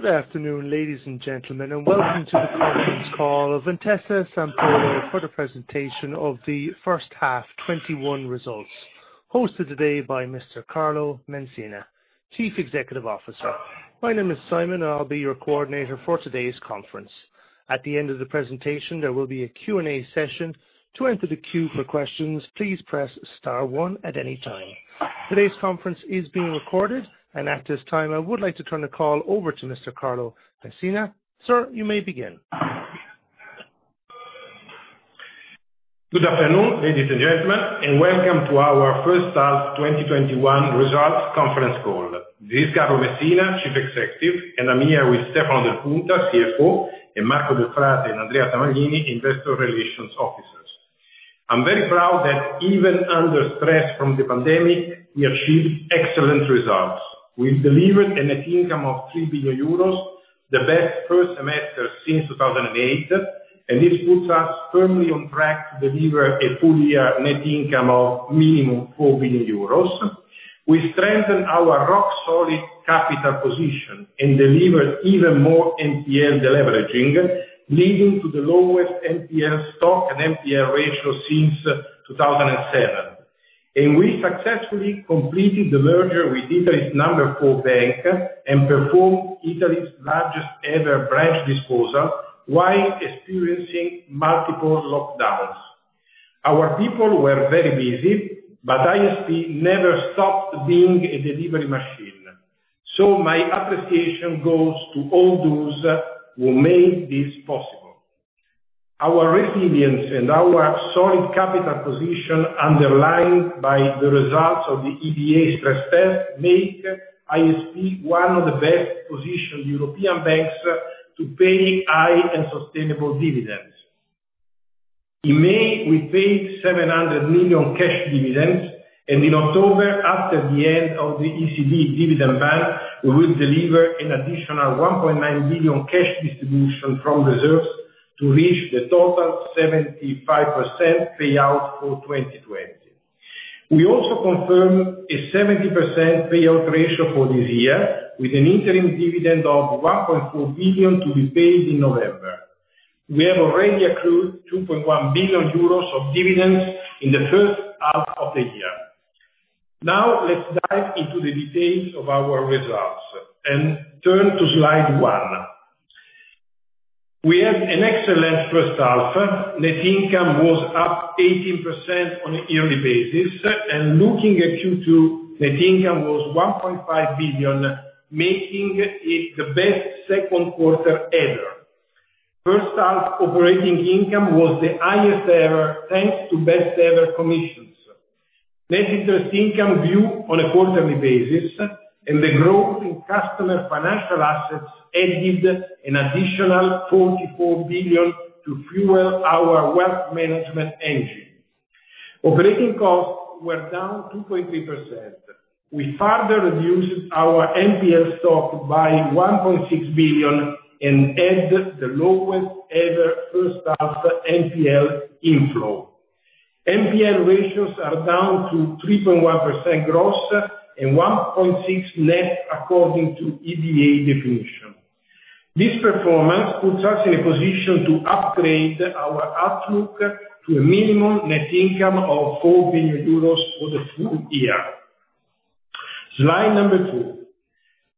Good afternoon, ladies and gentlemen, and welcome to the conference call of Intesa Sanpaolo for the presentation of the first half 2021 results, hosted today by Mr. Carlo Messina, Chief Executive Officer. My name is Simon, and I'll be your coordinator for today's conference. At the end of the presentation, there will be a Q&A session. To enter the queue for questions please press star one at any time. Today's conference is being recorded, and at this time, I would like to turn the call over to Mr. Carlo Messina. Sir, you may begin. Good afternoon, ladies and gentlemen, and welcome to our first half 2021 results conference call. This is Carlo Messina, Chief Executive Officer, and I'm here with Stefano Del Punta, CFO, and Marco Delfrate and Andrea Tamagnini, Investor Relations Officers. I'm very proud that even under stress from the pandemic, we achieved excellent results. We delivered a net income of 3 billion euros, the best first semester since 2008, and this puts us firmly on track to deliver a full year net income of minimum 4 billion euros. We strengthened our rock-solid capital position and delivered even more NPL deleveraging, leading to the lowest NPL stock and NPL ratio since 2007. We successfully completed the merger with Italy's number four bank and performed Italy's largest ever branch disposal while experiencing multiple lockdowns. Our people were very busy, but ISP never stopped being a delivery machine. My appreciation goes to all those who made this possible. Our resilience and our solid capital position, underlined by the results of the EBA stress test, make ISP one of the best-positioned European banks to pay high and sustainable dividends. In May, we paid 700 million cash dividends, and in October, after the end of the ECB dividend ban, we will deliver an additional 1.9 billion cash distribution from reserves to reach the total 75% payout for 2020. We also confirm a 70% payout ratio for this year, with an interim dividend of 1.4 billion to be paid in November. We have already accrued 2.1 billion euros of dividends in the first half of the year. Let's dive into the details of our results and turn to slide one. We had an excellent first half. Net income was up 18% on a yearly basis, and looking at Q2, net income was 1.5 billion, making it the best second quarter ever. First half operating income was the highest ever, thanks to best ever commissions. Net interest income grew on a quarterly basis, and the growth in customer financial assets added an additional 44 billion to fuel our Wealth Management engine. Operating costs were down 2.3%. We further reduced our NPL stock by 1.6 billion and had the lowest ever first half NPL inflow. NPL ratios are down to 3.1% gross and 1.6% net according to EBA definition. This performance puts us in a position to upgrade our outlook to a minimum net income of 4 billion euros for the full year. Slide number two.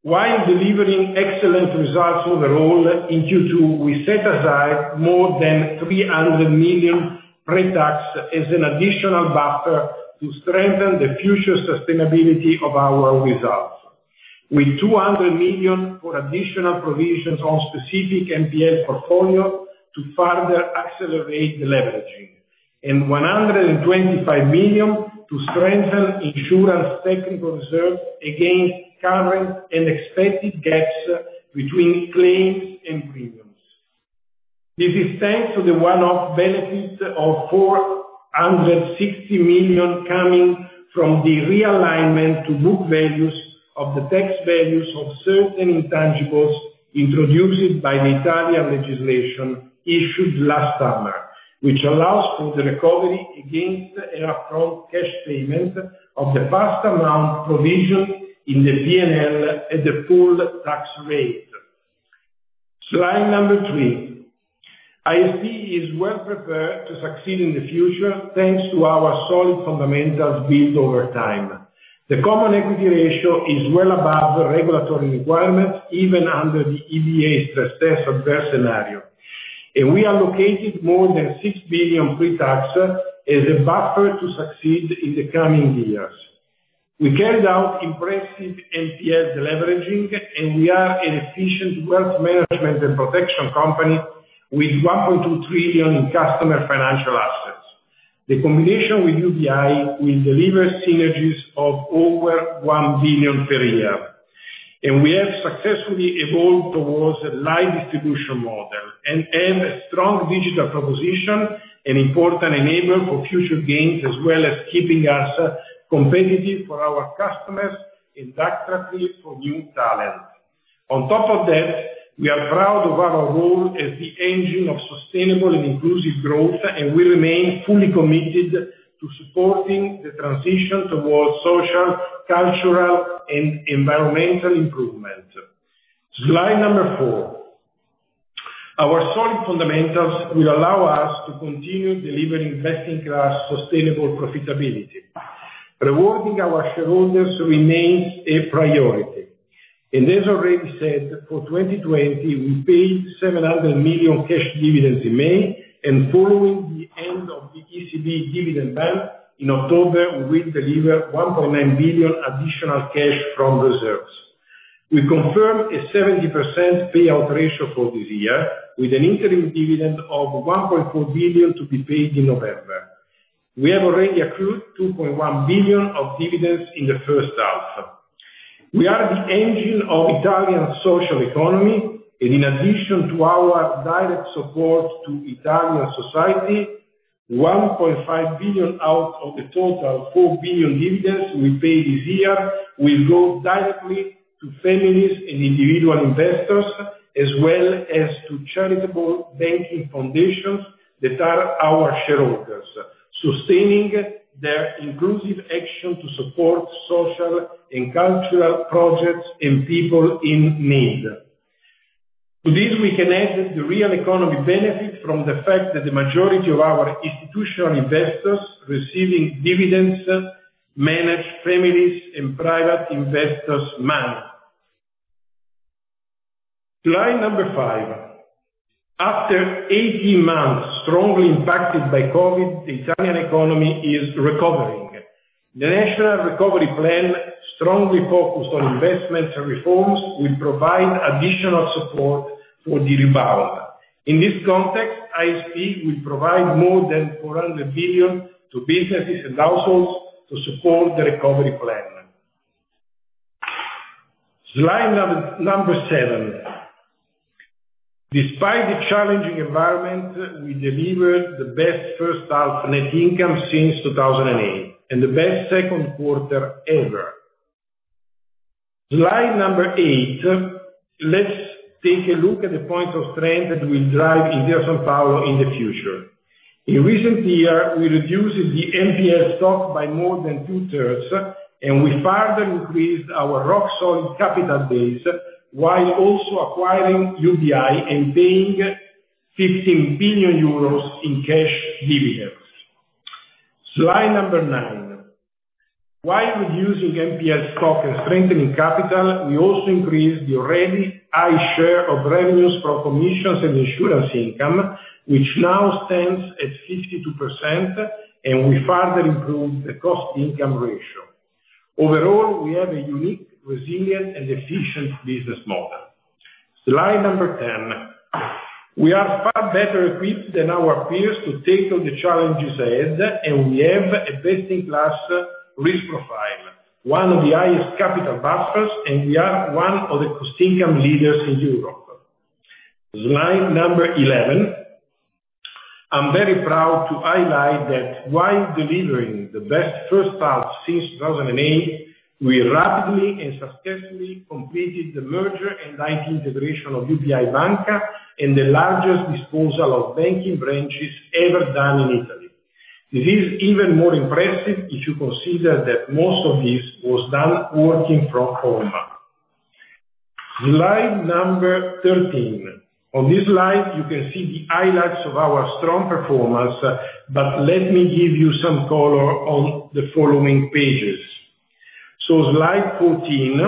While delivering excellent results overall, in Q2, we set aside more than 300 million pre-tax as an additional buffer to strengthen the future sustainability of our results. With 200 million for additional provisions on specific NPL portfolio to further accelerate deleveraging, and 125 million to strengthen insurance technical reserves against current and expected gaps between claims and premiums. This is thanks to the one-off benefit of 460 million coming from the realignment to book values of the tax values of certain intangibles introduced by the Italian legislation issued last summer, which allows for the recovery against an upfront cash payment of the past amount provisioned in the P&L at the full tax rate. Slide number three. ISP is well prepared to succeed in the future, thanks to our solid fundamentals built over time. The Common Equity Ratio is well above the regulatory requirement, even under the EBA stress test adverse scenario. We allocated more than 6 billion pre-tax as a buffer to succeed in the coming years. We carried out impressive NPL deleveraging, and we are an efficient Wealth Management and protection company with 1.2 trillion in customer financial assets. The combination with UBI will deliver synergies of over 1 billion per year. We have successfully evolved towards a light distribution model and have a strong digital proposition, an important enabler for future gains, as well as keeping us competitive for our customers and attractive for new talent. On top of that, we are proud of our role as the engine of sustainable and inclusive growth, and we remain fully committed to supporting the transition towards social, cultural, and environmental improvement. Slide number four. Our solid fundamentals will allow us to continue delivering best-in-class sustainable profitability. Rewarding our shareholders remains a priority. As already said, for 2020, we paid 700 million cash dividends in May, and following the end of the ECB dividend ban in October, we deliver 1.9 billion additional cash from reserves. We confirm a 70% payout ratio for this year, with an interim dividend of 1.4 billion to be paid in November. We have already accrued 2.1 billion of dividends in the first half. We are the engine of Italian social economy. In addition to our direct support to Italian society, 1.5 billion out of the total 4 billion dividends we pay this year will go directly to families and individual investors, as well as to charitable banking foundations that are our shareholders, sustaining their inclusive action to support social and cultural projects and people in need. To this, we can add the real economy benefit from the fact that the majority of our institutional investors receiving dividends manage families and private investors' money. Slide number five. After 18 months strongly impacted by COVID, the Italian economy is recovering. The National Recovery Plan, strongly focused on investments and reforms, will provide additional support for the rebound. In this context, ISP will provide more than 400 billion to businesses and households to support the recovery plan. Slide number seven. Despite the challenging environment, we delivered the best first half net income since 2008, and the best second quarter ever. Slide number eight. Let's take a look at the points of strength that will drive Intesa Sanpaolo in the future. In recent year, we reduced the NPL stock by more than 2/3, and we further increased our rock-solid capital base, while also acquiring UBI and paying 15 billion euros in cash dividends. Slide number nine. While reducing NPL stock and strengthening capital, we also increased the already high share of revenues from commissions and insurance income, which now stands at 52%, and we further improved the cost-income ratio. Overall, we have a unique, resilient, and efficient business model. Slide number 10. We are far better equipped than our peers to take on the challenges ahead, and we have a best-in-class risk profile, one of the highest capital buffers, and we are one of the cost-income leaders in Europe. Slide number 11. I'm very proud to highlight that while delivering the best first half since 2008, we rapidly and successfully completed the merger and integration of UBI Banca and the largest disposal of banking branches ever done in Italy. This is even more impressive if you consider that most of this was done working from home. Slide number 13. On this slide, you can see the highlights of our strong performance, but let me give you some color on the following pages. Slide 14.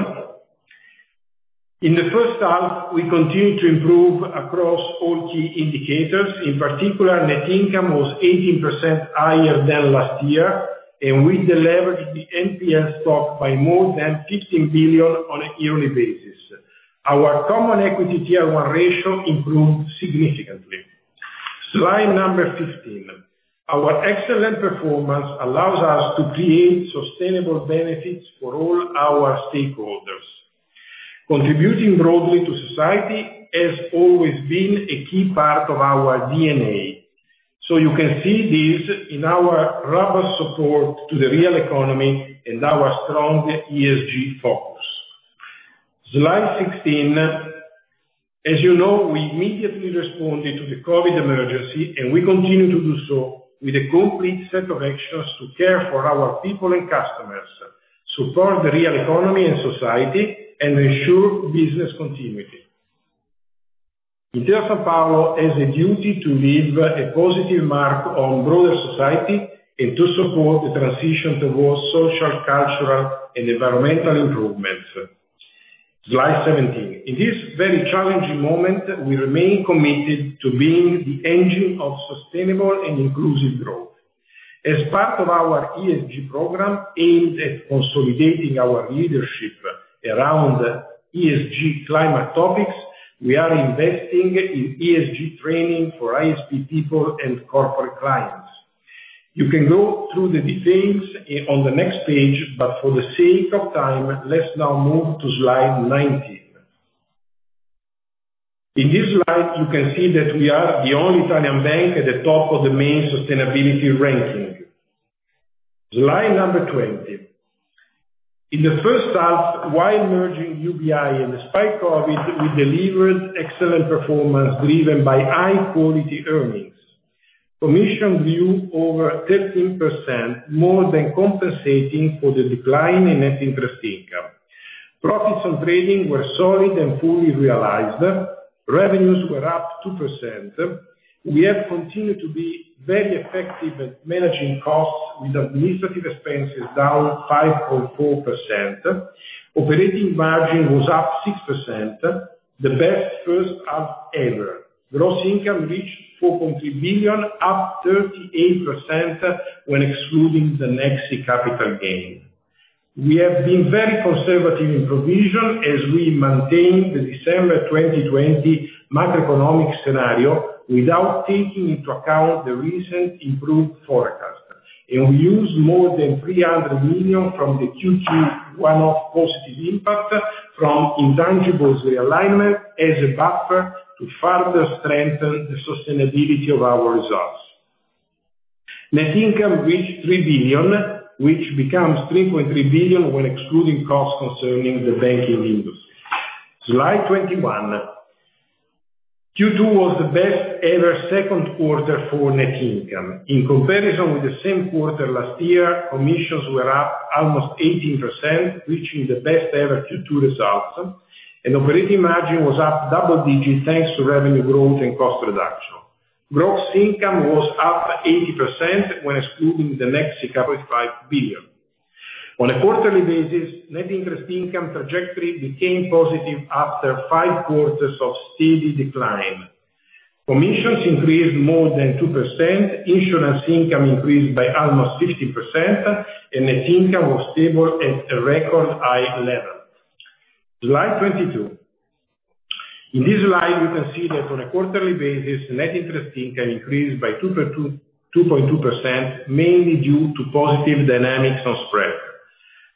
In the first half, we continued to improve across all key indicators. In particular, net income was 18% higher than last year, and we deleveraged the NPL stock by more than 15 billion on a yearly basis. Our common equity Tier 1 ratio improved significantly. Slide number 15. Our excellent performance allows us to create sustainable benefits for all our stakeholders. Contributing broadly to society has always been a key part of our DNA. You can see this in our robust support to the real economy and our strong ESG focus. Slide 16. As you know, we immediately responded to the COVID emergency, and we continue to do so with a complete set of actions to care for our people and customers, support the real economy and society, and ensure business continuity. Intesa Sanpaolo has a duty to leave a positive mark on broader society and to support the transition towards social, cultural, and environmental improvements. Slide 17. In this very challenging moment, we remain committed to being the engine of sustainable and inclusive growth. As part of our ESG program aimed at consolidating our leadership around ESG climate topics, we are investing in ESG training for ISP people and corporate clients. You can go through the details on the next page, but for the sake of time, let's now move to slide 19. In this slide, you can see that we are the only Italian bank at the top of the main sustainability ranking. Slide number 20. In the first half, while merging UBI and despite COVID, we delivered excellent performance driven by high quality earnings. Commission grew over 13%, more than compensating for the decline in net interest income. Profits on trading were solid and fully realized. Revenues were up 2%. We have continued to be very effective at managing costs with administrative expenses down 5.4%. Operating margin was up 6%, the best first half ever. Gross income reached 4.3 billion, up 38% when excluding the Nexi capital gain. We have been very conservative in provision as we maintain the December 2020 macroeconomic scenario without taking into account the recent improved forecast. We use more than 300 million from the Q2 one-off positive impact from intangibles realignment as a buffer to further strengthen the sustainability of our results. Net income reached 3 billion, which becomes 3.3 billion when excluding costs concerning the banking industry. Slide 21. Q2 was the best ever second quarter for net income. In comparison with the same quarter last year, commissions were up almost 18%, reaching the best ever Q2 results, and operating margin was up double digits, thanks to revenue growth and cost reduction. Gross income was up 80% when excluding the Nexi 1.5 billion. On a quarterly basis, net interest income trajectory became positive after five quarters of steady decline. Commissions increased more than 2%, insurance income increased by almost 15%, and net income was stable at a record high level. Slide 22. In this slide, you can see that on a quarterly basis, net interest income increased by 2.2%, mainly due to positive dynamics on spread.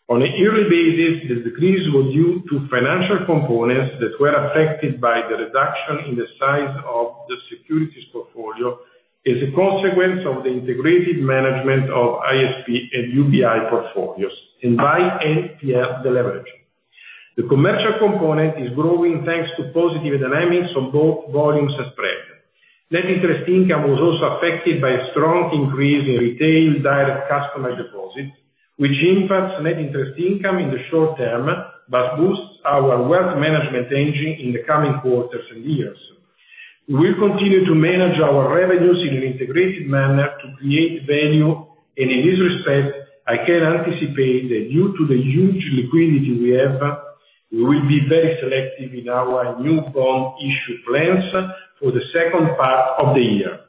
On a yearly basis, the decrease was due to financial components that were affected by the reduction in the size of the securities portfolio as a consequence of the integrated management of ISP and UBI portfolios, and by NPL deleverage. The commercial component is growing thanks to positive dynamics on both volumes and spread. Net interest income was also affected by a strong increase in retail direct customer deposits, which impacts net interest income in the short term, but boosts our Wealth Management engine in the coming quarters and years. We'll continue to manage our revenues in an integrated manner to create value. In this respect, I can anticipate that due to the huge liquidity we have, we will be very selective in our new bond issue plans for the second part of the year.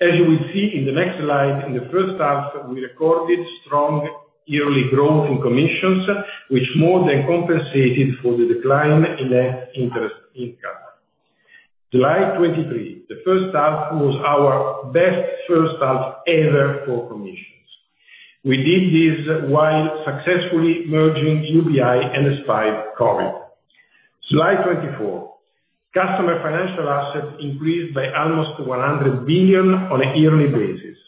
As you will see in the next slide, in the first half, we recorded strong yearly growth in commissions, which more than compensated for the decline in net interest income. Slide 23. The first half was our best first half ever for commissions. We did this while successfully merging UBI and despite COVID. Slide 24. Customer financial assets increased by almost 100 billion on a yearly basis.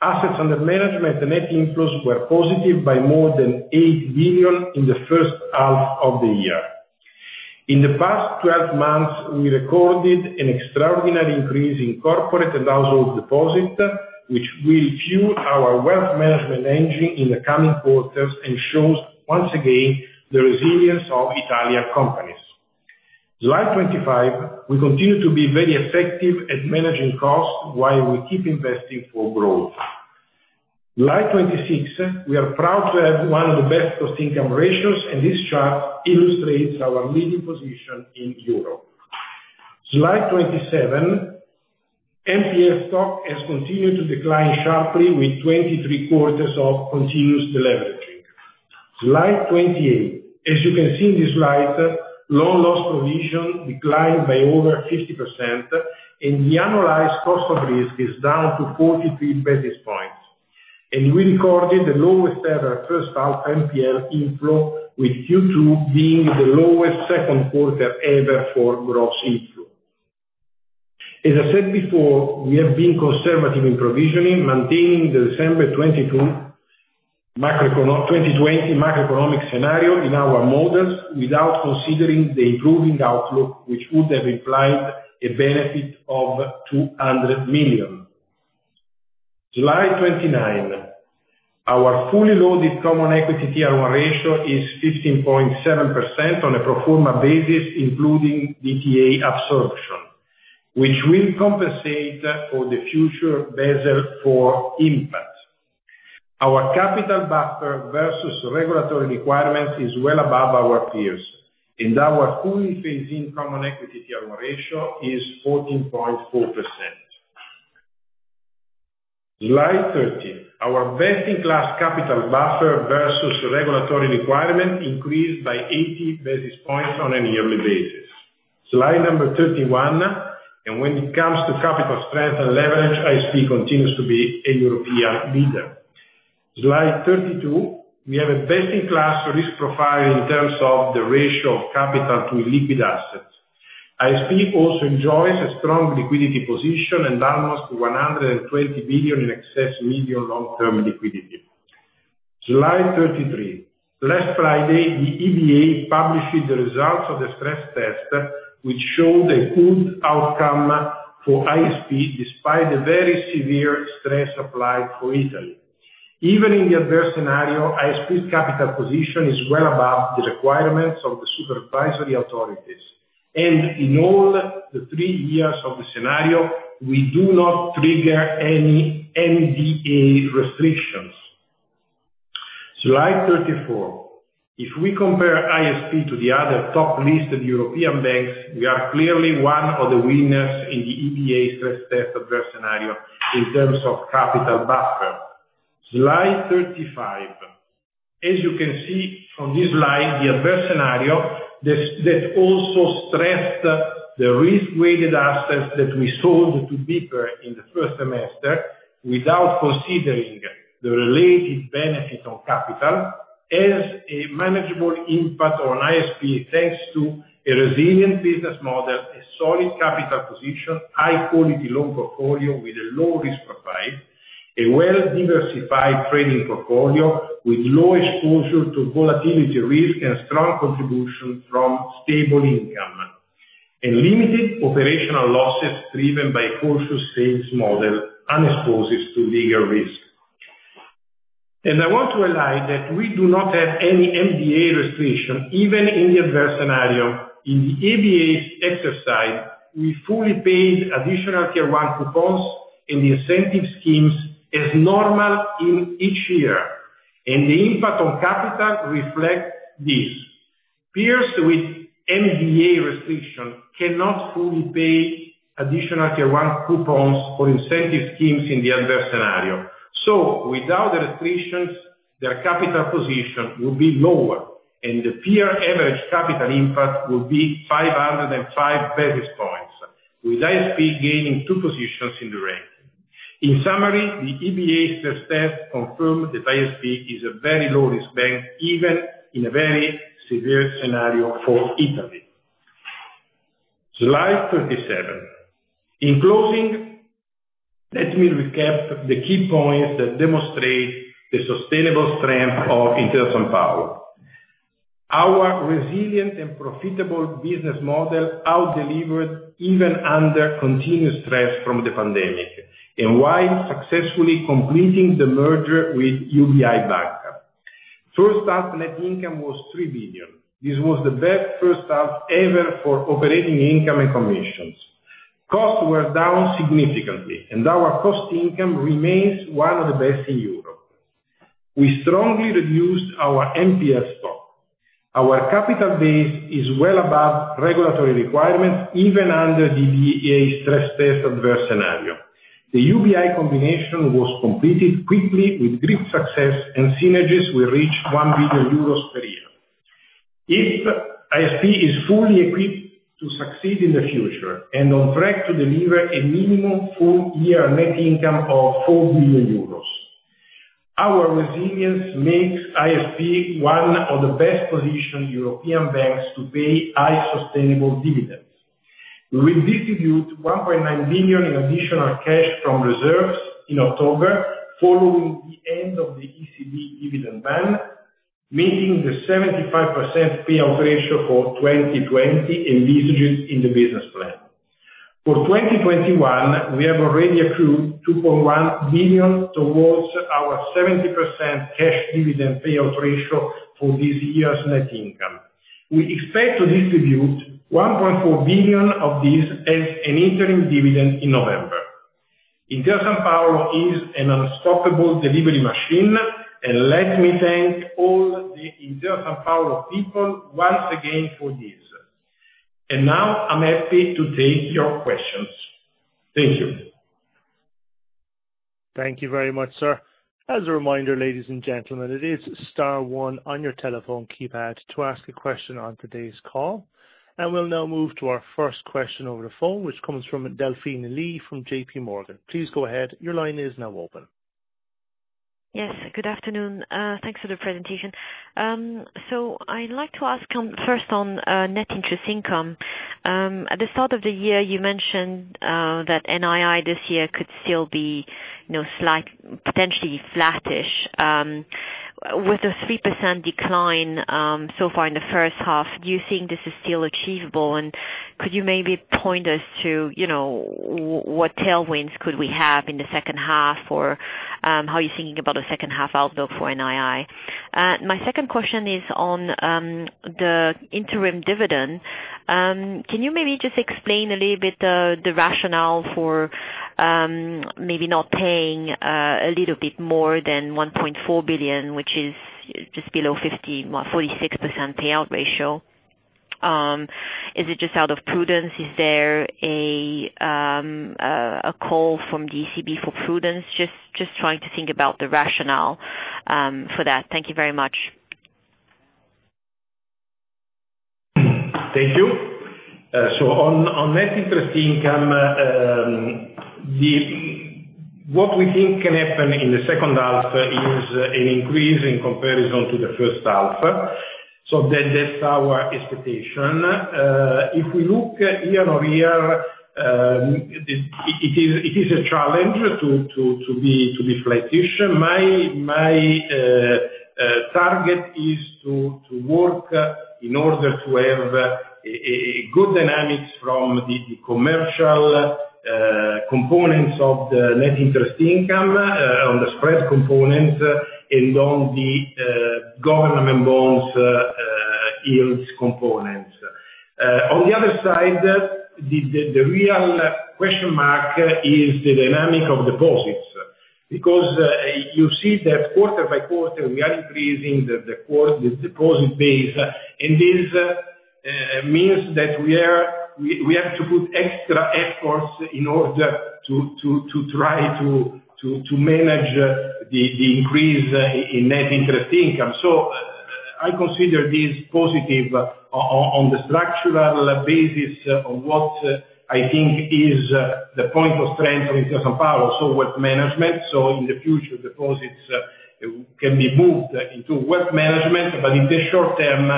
Assets under management and net inflows were positive by more than 8 billion in the first half of the year. In the past 12 months, we recorded an extraordinary increase in corporate and household deposit, which will fuel our Wealth Management engine in the coming quarters and shows once again the resilience of Italian companies. Slide 25, we continue to be very effective at managing costs while we keep investing for growth. Slide 26, we are proud to have one of the best cost-income ratios. This chart illustrates our leading position in Europe. Slide 27, NPL stock has continued to decline sharply with 23 quarters of continuous deleveraging. Slide 28. As you can see in this slide, loan loss provision declined by over 50%. The annualized cost of risk is down to 43 basis points. We recorded the lowest ever first half NPL inflow, with Q2 being the lowest second quarter ever for gross inflow. As I said before, we have been conservative in provisioning, maintaining the December 2020 macroeconomic scenario in our models without considering the improving outlook, which would have implied a benefit of 200 million. Slide 29. Our fully loaded Common Equity Tier 1 ratio is 15.7% on a pro forma basis, including DTA absorption, which will compensate for the future Basel IV impact. Our capital buffer versus regulatory requirements is well above our peers, our fully phased-in Common Equity Tier 1 ratio is 14.4%. Slide 30. Our best-in-class capital buffer versus regulatory requirement increased by 80 basis points on a yearly basis. Slide number 31. When it comes to capital strength and leverage, ISP continues to be a European leader. Slide 32, we have a best-in-class risk profile in terms of the ratio of capital to illiquid assets. ISP also enjoys a strong liquidity position and almost 120 billion in excess medium long-term liquidity. Slide 33. Last Friday, the EBA published the results of the stress test, which showed a good outcome for ISP despite the very severe stress applied for Italy. Even in the adverse scenario, ISP capital position is well above the requirements of the supervisory authorities, and in all the three years of the scenario, we do not trigger any MDA restrictions. Slide 34. If we compare ISP to the other top listed European banks, we are clearly one of the winners in the EBA stress test adverse scenario in terms of capital buffer. Slide 35. As you can see from this slide, the adverse scenario, that also stressed the risk-weighted assets that we sold to BPER Banca in the first semester without considering the related benefit on capital, has a manageable impact on ISP, thanks to a resilient business model, a solid capital position, high-quality loan portfolio with a low risk profile, a well-diversified trading portfolio with low exposure to volatility risk, and strong contribution from stable income, and limited operational losses driven by cautious sales model unexposed to legal risk. I want to highlight that we do not have any MDA restriction, even in the adverse scenario. In the EBA exercise, we fully paid Additional Tier 1 coupons in the incentive schemes as normal in each year. The impact on capital reflects this. Peers with MDA restriction cannot fully pay Additional Tier 1 coupons or incentive schemes in the adverse scenario. Without the restrictions, their capital position will be lower, and the peer average capital impact will be 505 basis points, with ISP gaining two positions in the rank. In summary, the EBA stress test confirmed that ISP is a very low-risk bank, even in a very severe scenario for Italy. Slide 37. In closing, let me recap the key points that demonstrate the sustainable strength of Intesa Sanpaolo. Our resilient and profitable business model out-delivered even under continuous stress from the pandemic, and while successfully completing the merger with UBI Banca. First half net income was 3 billion. This was the best first half ever for operating income and commissions. Costs were down significantly, and our cost income remains one of the best in Europe. We strongly reduced our NPL stock. Our capital base is well above regulatory requirements, even under the EBA stress test adverse scenario. The UBI Banca combination was completed quickly with great success, and synergies will reach EUR 1 billion per year. ISP is fully equipped to succeed in the future, and on track to deliver a minimum full-year net income of 4 billion euros. Our resilience makes ISP one of the best-positioned European banks to pay high sustainable dividends. We distribute 1.9 billion in additional cash from reserves in October, following the end of the ECB dividend ban, meeting the 75% payout ratio for 2020 envisaged in the business plan. For 2021, we have already accrued 2.1 billion towards our 70% cash dividend payout ratio for this year's net income. We expect to distribute 1.4 billion of this as an interim dividend in November. Intesa Sanpaolo is an unstoppable delivery machine, and let me thank all the Intesa Sanpaolo people once again for this. Now I'm happy to take your questions. Thank you. Thank you very much, sir. As a reminder, ladies and gentlemen, it is star one on your telephone keypad to ask a question on today's call. We'll now move to our first question over the phone, which comes from Delphine Lee from JPMorgan. Please go ahead. Your line is now open. Yes. Good afternoon. Thanks for the presentation. I'd like to ask, first, on net interest income. At the start of the year, you mentioned that NII this year could still be potentially flatt-ish. With a 3% decline so far in the first half, do you think this is still achievable, and could you maybe point us to what tailwinds could we have in the second half, or how are you thinking about the second half outlook for NII? My second question is on the interim dividend. Can you maybe just explain a little bit the rationale for maybe not paying a little bit more than 1.4 billion, which is just below 46% payout ratio? Is it just out of prudence? Is there a call from the ECB for prudence? Just trying to think about the rationale for that. Thank you very much. Thank you. On net interest income, what we think can happen in the second half is an increase in comparison to the first half. That's our expectation. If we look year-over-year, it is a challenge to be flat-ish. My target is to work in order to have good dynamics from the commercial components of the net interest income on the spread component and on the government bonds yields components. On the other side, the real question mark is the dynamic of deposits. You see that quarter-by-quarter, we are increasing the deposit base, and this means that we have to put extra efforts in order to try to manage the increase in net interest income. I consider this positive on the structural basis on what I think is the point of strength of Intesa Sanpaolo. Wealth Management, so in the future, deposits can be moved into Wealth Management. In the short term,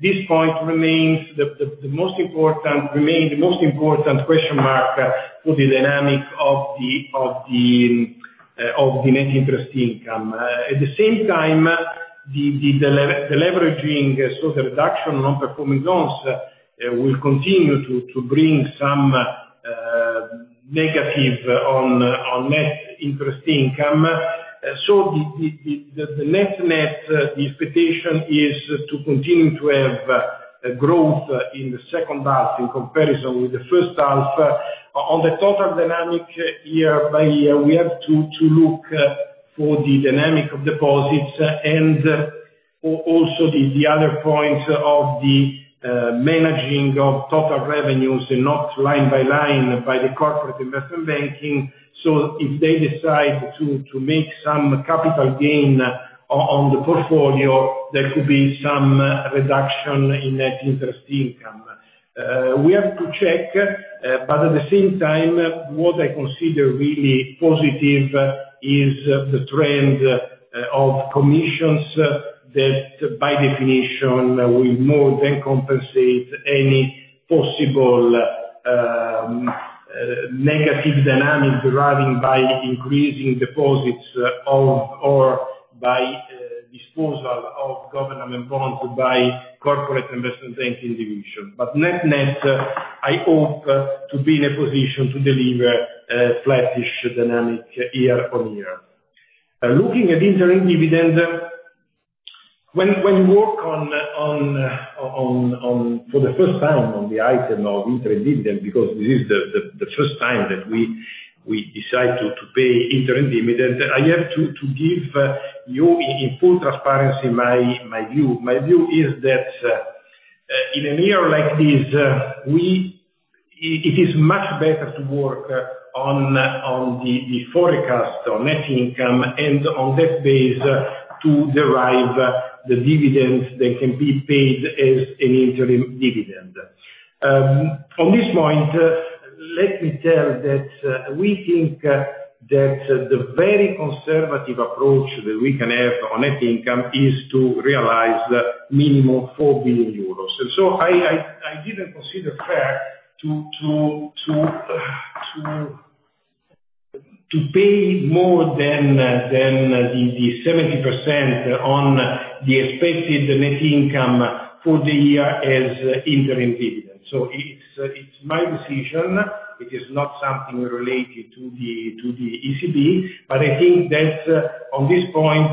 this point remains the most important question mark for the dynamic of the net interest income. At the same time, the deleveraging, so the reduction non-performing loans, will continue to bring some negative on net interest income. The net expectation is to continue to have growth in the second half in comparison with the first half. On the total dynamic year by year, we have to look for the dynamic of deposits and also the other point of the managing of total revenues and not line by line by the Corporate Investment Banking. If they decide to make some capital gain on the portfolio, there could be some reduction in net interest income. We have to check. At the same time, what I consider really positive is the trend of commissions that, by definition, will more than compensate any possible negative dynamic driven by increasing deposits of, or by disposal of government bonds by corporate investment banking division. Net, I hope to be in a position to deliver a flat-ish dynamic year-over-year. Looking at interim dividend. When you work for the first time on the item of interim dividend, because this is the first time that we decide to pay interim dividend, I have to give you in full transparency my view. My view is that in a year like this, it is much better to work on the forecast of net income and on that base to derive the dividends that can be paid as an interim dividend. On this point, let me tell that we think that the very conservative approach that we can have on net income is to realize minimum 4 billion euros. I didn't consider fair to pay more than the 70% on the expected net income for the year as interim dividend. It's my decision. It is not something related to the ECB. I think that on this point,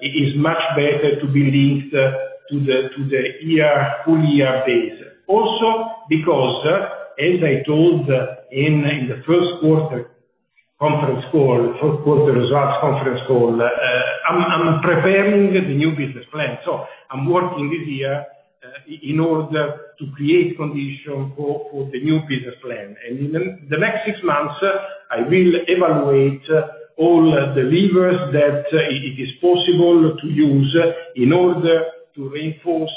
it is much better to be linked to the full year base. Also, because as I told in the first quarter results conference call, I'm preparing the new business plan. I'm working this year in order to create condition for the new business plan. In the next six months, I will evaluate all the levers that it is possible to use in order to reinforce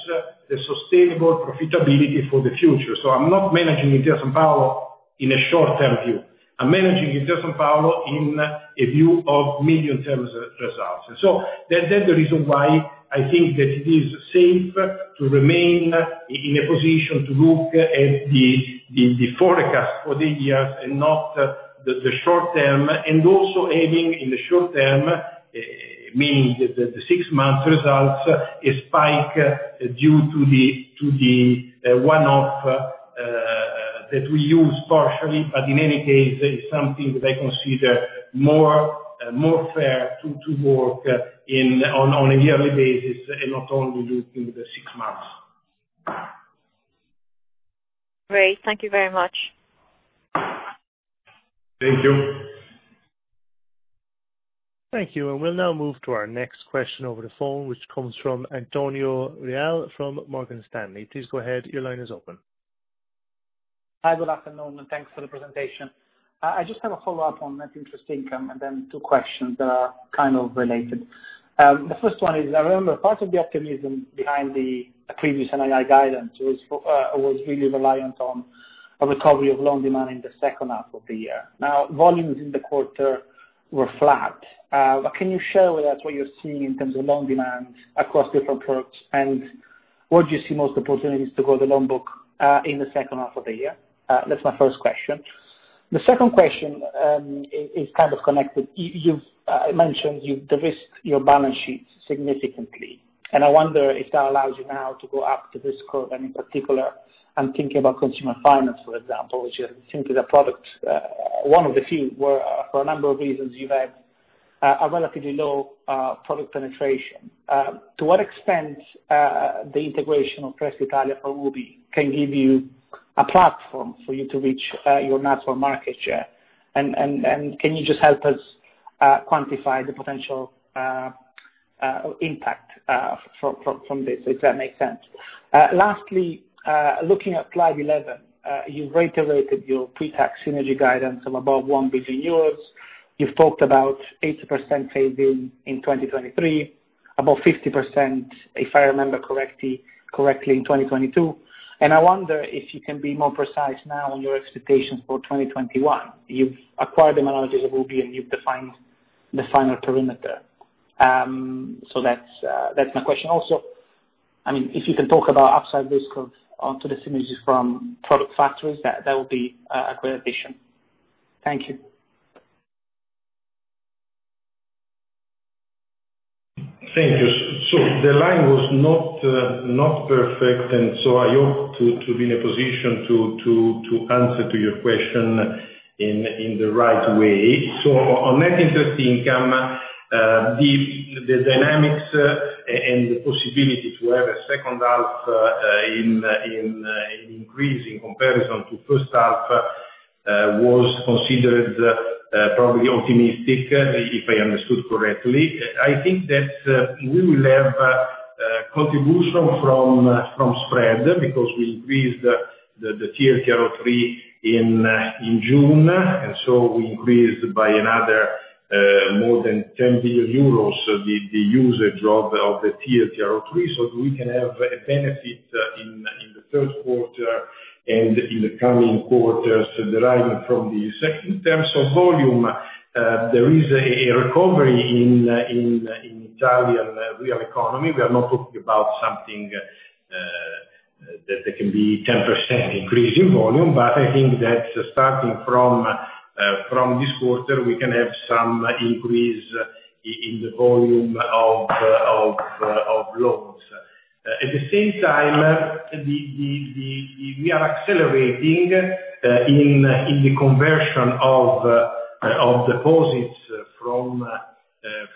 the sustainable profitability for the future. I'm not managing Intesa Sanpaolo in a short-term view. I'm managing Intesa Sanpaolo in a view of medium-term results. That's the reason why I think that it is safe to remain in a position to look at the forecast for the years and not the short term, and also aiming in the short term, meaning the six months results, a spike due to the one-off that we use partially. In any case, it's something that I consider more fair to work on a yearly basis and not only looking at the six months. Great. Thank you very much. Thank you. Thank you. We'll now move to our next question over the phone, which comes from Antonio Reale from Morgan Stanley. Please go ahead. Your line is open. Hi, good afternoon, thanks for the presentation. I just have a follow-up on net interest income, and then two questions that are kind of related. The first one is, I remember part of the optimism behind the previous NII guidance was really reliant on a recovery of loan demand in the second half of the year. Now, volumes in the quarter were flat. Can you share with us what you're seeing in terms of loan demand across different products, and where do you see most opportunities to grow the loan book, in the second half of the year? That's my first question. The second question is kind of connected. You've mentioned you've de-risked your balance sheet significantly, I wonder if that allows you now to go up the risk curve. In particular, I'm thinking about consumer finance, for example, which is simply the product, one of the few where, for a number of reasons, you've had a relatively low product penetration. To what extent the integration of Credito Italiano can give you a platform for you to reach your natural market share, and can you just help us quantify the potential impact from this, if that makes sense. Lastly, looking at slide 11, you've reiterated your pre-tax synergy guidance of above 1 billion euros. You've talked about 80% saving in 2023, about 50%, if I remember correctly, in 2022. I wonder if you can be more precise now on your expectations for 2021. You've acquired the operations of UBI and you've defined the final perimeter. That's my question. Also, if you can talk about upside risk on the synergies from product factories, that would be a great addition. Thank you. Thank you. The line was not perfect. I hope to be in a position to answer to your question in the right way. On net interest income, the dynamics, and the possibility to have a second half increase in comparison to first half, was considered probably optimistic, if I understood correctly. I think that we will have contribution from spread because we increased the TLTRO III in June. We increased by another more than 10 billion euros, the drawdown of the TLTRO III so we can have a benefit in the third quarter and in the coming quarters deriving from this. In terms of volume, there is a recovery in Italian real economy. We are not talking about something that there can be 10% increase in volume. I think that starting from this quarter, we can have some increase in the volume of loans. At the same time, we are accelerating in the conversion of deposits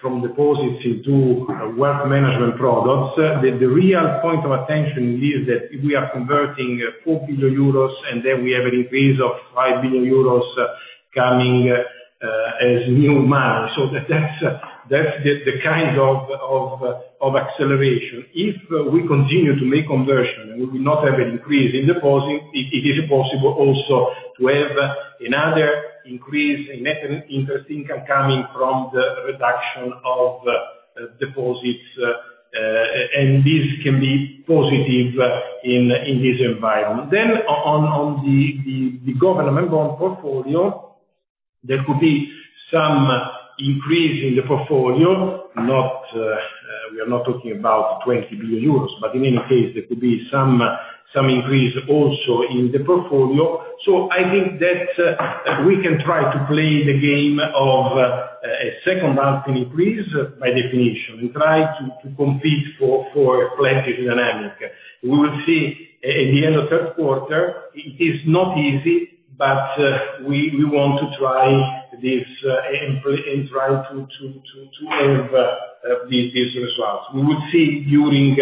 from deposits into Wealth Management products. The real point of attention is that we are converting 4 billion euros, and then we have an increase of 5 billion euros coming as new money. That's the kind of acceleration. If we continue to make conversion, and we will not have an increase in deposit, it is possible also to have another increase in net interest income coming from the reduction of deposits, and this can be positive in this environment. On the government bond portfolio, there could be some increase in the portfolio. We are not talking about 20 billion euros, but in any case, there could be some increase also in the portfolio. I think that we can try to play the game of a second half increase by definition, and try to compete for plenty dynamic. We will see at the end of third quarter. It is not easy, but we want to try this and try to have these results. We will see during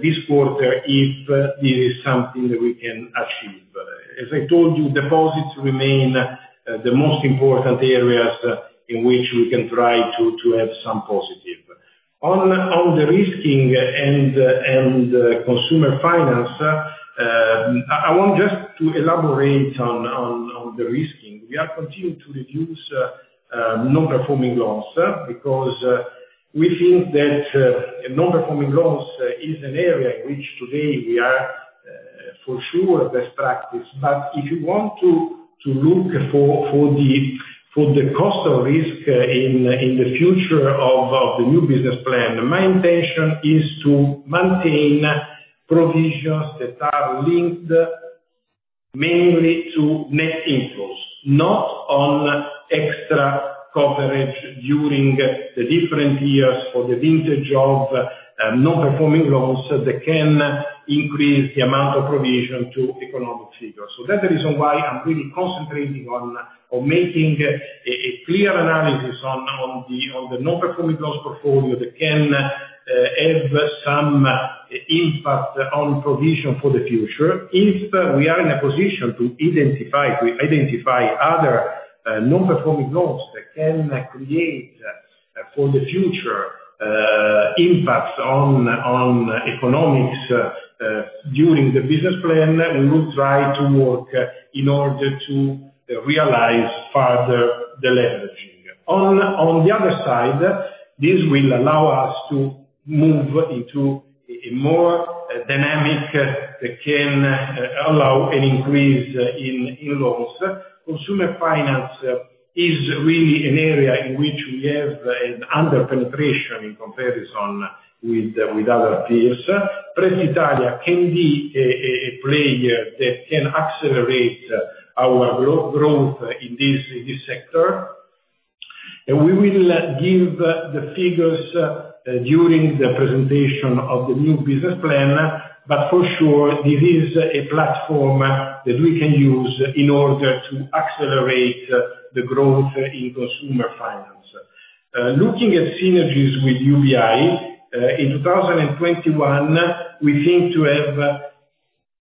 this quarter if this is something that we can achieve. As I told you, deposits remain the most important areas in which we can try to have some positive. On de-risking and consumer finance, I want just to elaborate on de-risking. We are continuing to reduce non-performing loans because we think that non-performing loans is an area in which today we are for sure best practice. If you want to look for the cost of risk in the future of the new business plan, my intention is to maintain provisions that are linked mainly to net inflows. Not on extra coverage during the different years for the vintage of non-performing loans that can increase the amount of provision to economic figures. That's the reason why I'm really concentrating on making a clear analysis on the non-performing loans portfolio that can have some impact on provision for the future. If we are in a position to identify other non-performing loans that can create for the future impact on economics during the business plan, we will try to work in order to realize further deleveraging. On the other side, this will allow us to move into a more dynamic that can allow an increase in loans. Consumer finance is really an area in which we have an under-penetration in comparison with other peers. Prestitalia can be a player that can accelerate our growth in this sector. We will give the figures during the presentation of the new business plan. For sure, this is a platform that we can use in order to accelerate the growth in consumer finance. Looking at synergies with UBI, in 2021, we think to have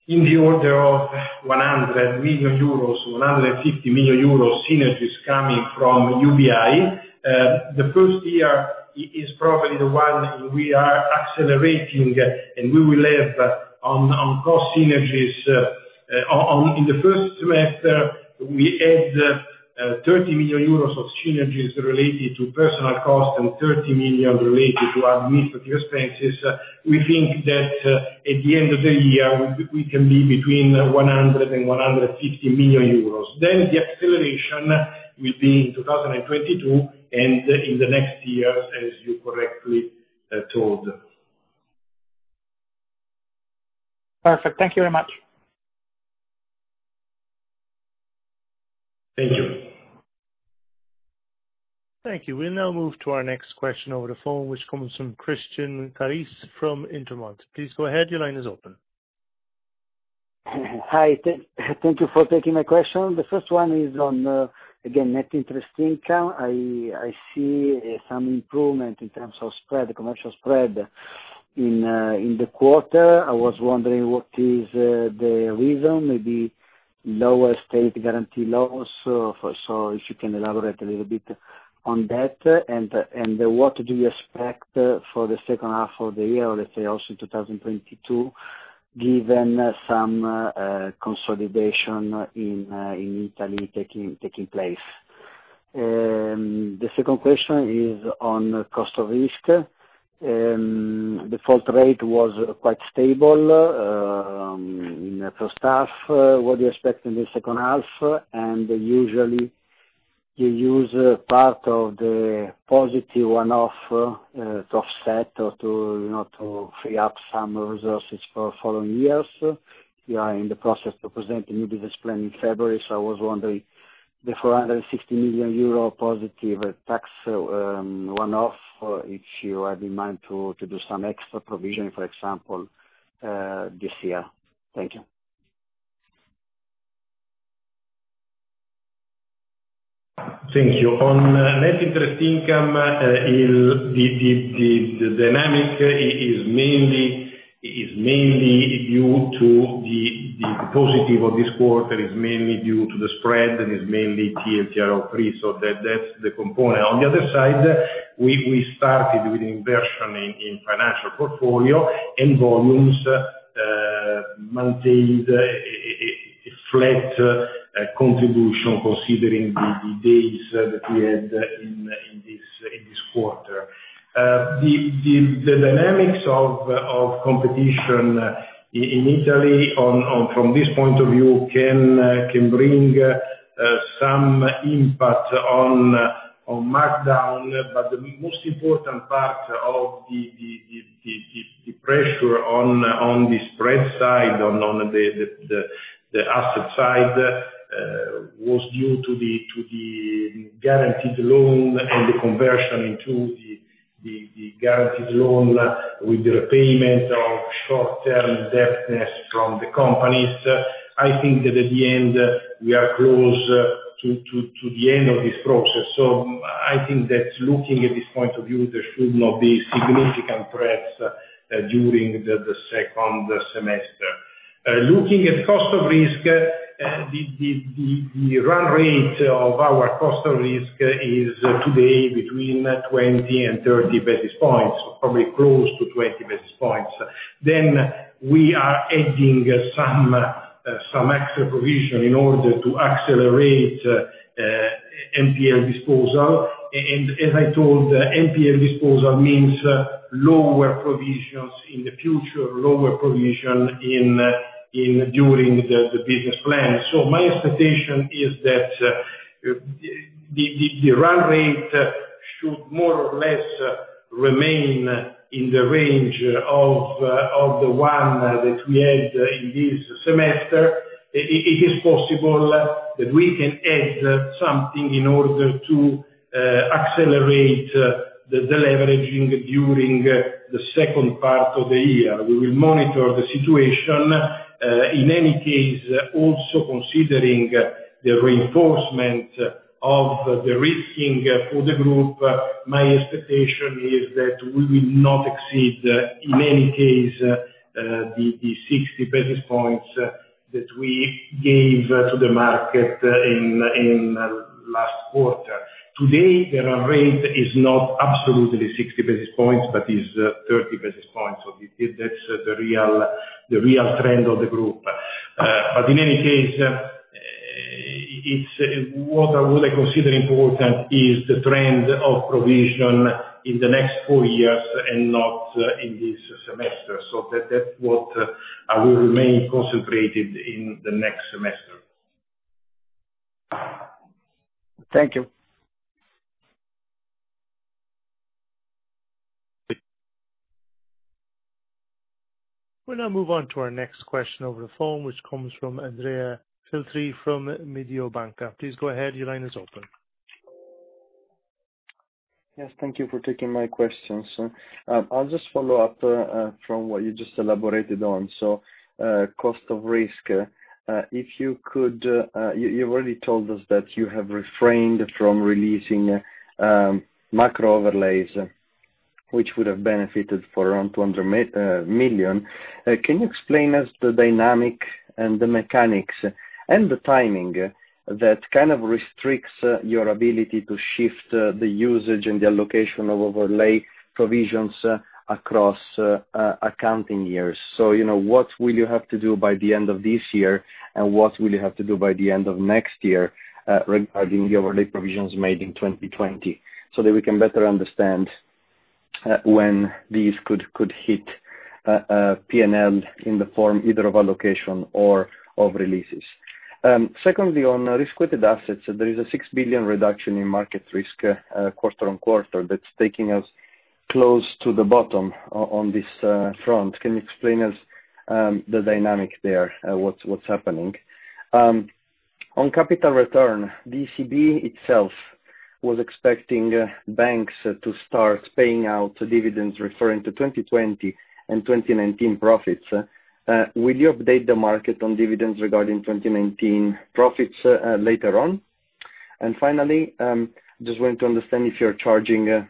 in the order of 100 million euros, 150 million euros synergies coming from UBI. The first year is probably the one we are accelerating, and we will have on cost synergies. In the first semester, we had 30 million euros of synergies related to personal cost and 30 million related to administrative expenses. We think that at the end of the year, we can be between 100 million euros and 150 million euros. The acceleration will be in 2022 and in the next years, as you correctly told. Perfect. Thank you very much. Thank you. Thank you. We'll now move to our next question over the phone, which comes from Christian Carrese from Intermonte. Please go ahead. Your line is open. Hi. Thank you for taking my question. The first one is on, again, net interest income. I see some improvement in terms of spread, commercial spread in the quarter. I was wondering what is the reason, maybe lower state guaranteed loans. If you can elaborate a little bit on that. What do you expect for the second half of the year, or let's say, also 2022, given some consolidation in Italy taking place? The second question is on cost of risk. Default rate was quite stable in first half. What do you expect in the second half? Usually you use part of the positive one-off to offset or to free up some resources for following years. You are in the process to present a new business plan in February. I was wondering, the 460 million euro positive tax one-off, if you have in mind to do some extra provision, for example this year. Thank you. Thank you. On net interest income, the dynamic is mainly due to the positive of this quarter, is mainly due to the spread and is mainly TLTRO III. That's the component. On the other side, we started with investment in financial portfolio, and volumes maintained a flat contribution considering the days that we had in this quarter. The dynamics of competition in Italy from this point of view can bring some impact on markdown. The most important part of the pressure on the spread side, on the asset side, was due to the guaranteed loan and the conversion into the guaranteed loan with the repayment of short-term debt from the companies. I think that at the end, we are close to the end of this process. I think that looking at this point of view, there should not be significant threats during the second semester. Looking at cost of risk, the run rate of our cost of risk is today between 20 and 30 basis points, probably close to 20 basis points. We are adding some extra provision in order to accelerate NPL disposal. As I told, NPL disposal means lower provisions in the future, lower provision during the business plan. My expectation is that the run rate should more or less remain in the range of the one that we had in this semester. It is possible that we can add something in order to accelerate the deleveraging during the second part of the year. We will monitor the situation. In any case, also considering the reinforcement of the risking for the group, my expectation is that we will not exceed, in any case, the 60 basis points that we gave to the market in last quarter. Today, the run rate is not absolutely 60 basis points, but is 30 basis points. That's the real trend of the group. In any case, what I would consider important is the trend of provision in the next four years and not in this semester. That's what I will remain concentrated in the next semester. Thank you. We now move on to our next question over the phone, which comes from Andrea Filtri from Mediobanca. Please go ahead. Your line is open. Yes, thank you for taking my questions. I'll just follow up from what you just elaborated on. Cost of risk. You've already told us that you have refrained from releasing macro overlays, which would have benefited for around 200 million. Can you explain us the dynamic and the mechanics and the timing that kind of restricts your ability to shift the usage and the allocation of overlay provisions across accounting years. What will you have to do by the end of this year, and what will you have to do by the end of next year, regarding the overlay provisions made in 2020, so that we can better understand when these could hit PNL in the form either of allocation or of releases. Secondly, on risk-weighted assets, there is a 6 billion reduction in market risk, quarter on quarter, that's taking us close to the bottom on this front. Can you explain us the dynamic there? What's happening? On capital return, ECB itself was expecting banks to start paying out dividends referring to 2020 and 2019 profits. Will you update the market on dividends regarding 2019 profits later on? Finally, just want to understand if you're charging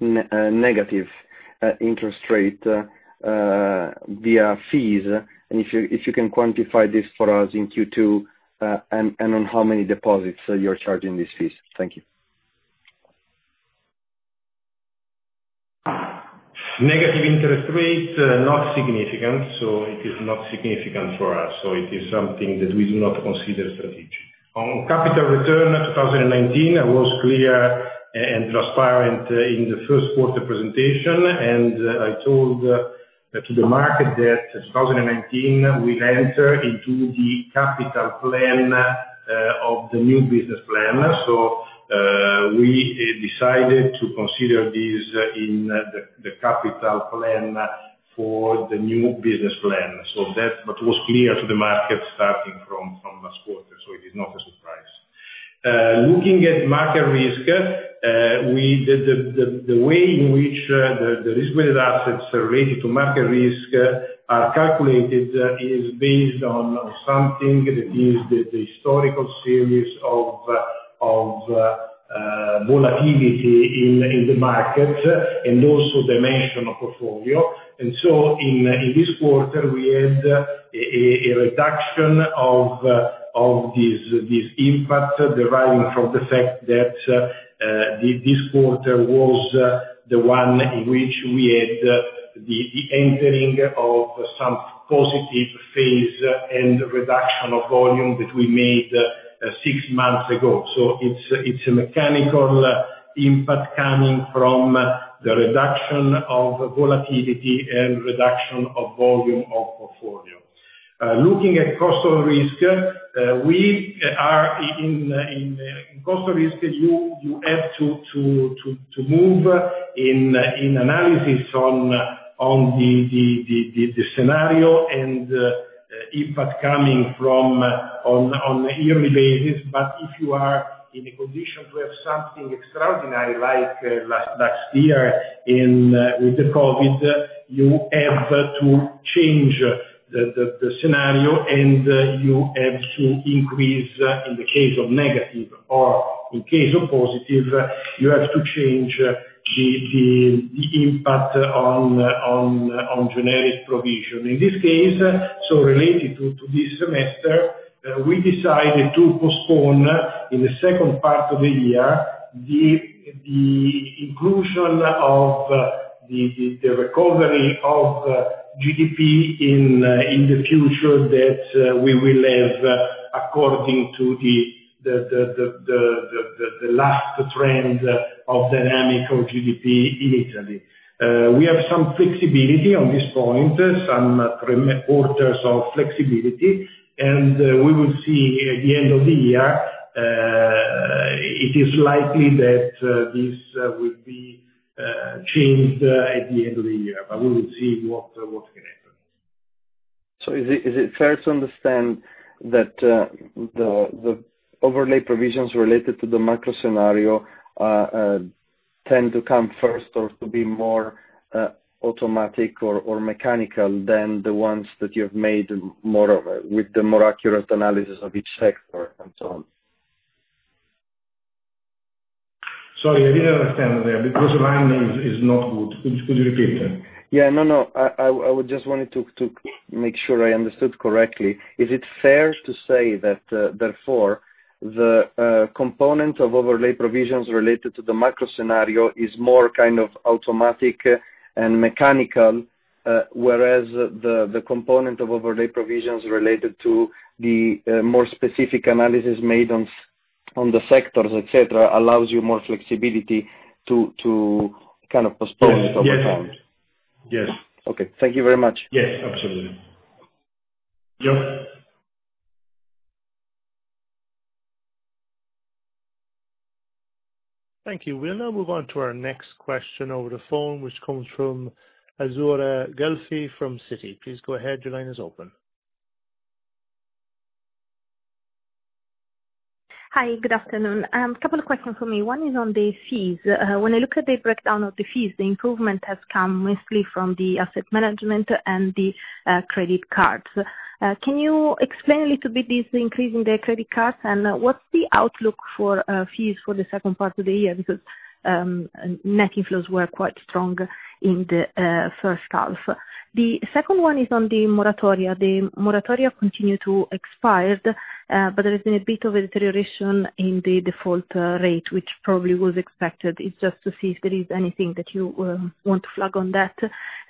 negative interest rate via fees, and if you can quantify this for us in Q2, and on how many deposits you're charging these fees. Thank you. Negative interest rates, not significant. It is not significant for us. It is something that we do not consider strategic. On capital return 2019, I was clear and transparent in the first quarter presentation, and I told to the market that 2019 will enter into the capital plan of the new business plan. We decided to consider this in the capital plan for the new business plan. That was clear to the market starting from last quarter, so it is not a surprise. Looking at market risk, the way in which the risk-weighted assets related to market risk are calculated is based on something that is the historical series of volatility in the market and also dimension of portfolio. In this quarter, we had a reduction of this impact deriving from the fact that this quarter was the one in which we had the entering of some positive phase and reduction of volume that we made six months ago. It's a mechanical impact coming from the reduction of volatility and reduction of volume of portfolio. Looking at cost of risk, you have to move in analysis on the scenario and impact coming from on a yearly basis. If you are in a condition to have something extraordinary like last year with the COVID, you have to change the scenario, and you have to increase in the case of negative. In case of positive, you have to change the impact on generic provision. In this case, related to this semester, we decided to postpone in the second part of the year the inclusion of the recovery of GDP in the future that we will have according to the last trend of dynamic of GDP in Italy. We have some flexibility on this point, some quarters of flexibility, and we will see at the end of the year. It is likely that this will be changed at the end of the year. We will see what's going to happen. Is it fair to understand that the overlay provisions related to the macro scenario tend to come first or to be more automatic or mechanical than the ones that you have made with the more accurate analysis of each sector and so on? Sorry, I didn't understand there because my line is not good. Could you repeat? Yeah. No, I would just wanted to make sure I understood correctly. Is it fair to say that therefore the component of overlay provisions related to the micro scenario is more kind of automatic and mechanical, whereas the component of overlay provisions related to the more specific analysis made on the sectors, et cetera, allows you more flexibility to postpone it over time? Yes. Okay. Thank you very much. Yes, absolutely. John? Thank you. We will now move on to our next question over the phone, which comes from Azzurra Guelfi from Citi. Please go ahead. Your line is open. Hi. Good afternoon. A couple of questions from me. One is on the fees. When I look at the breakdown of the fees, the improvement has come mostly from the asset management and the credit cards. Can you explain a little bit this increase in the credit cards, and what's the outlook for fees for the second part of the year? Net inflows were quite strong in the first half. The second one is on the moratoria. The moratoria continue to expire. There has been a bit of a deterioration in the default rate, which probably was expected. It is just to see if there is anything that you want to flag on that,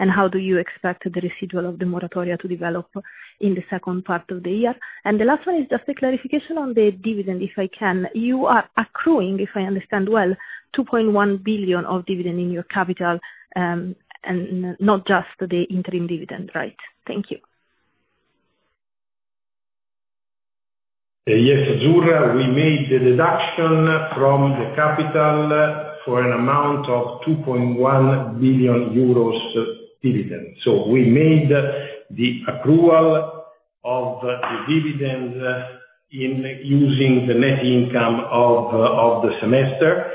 and how do you expect the residual of the moratoria to develop in the second part of the year. The last one is just a clarification on the dividend, if I can. You are accruing, if I understand well, 2.1 billion of dividend in your capital, and not just the interim dividend, right? Thank you. Yes, Azzurra. We made the deduction from the capital for an amount of 2.1 billion euros dividend. We made the accrual of the dividend in using the net income of the semester.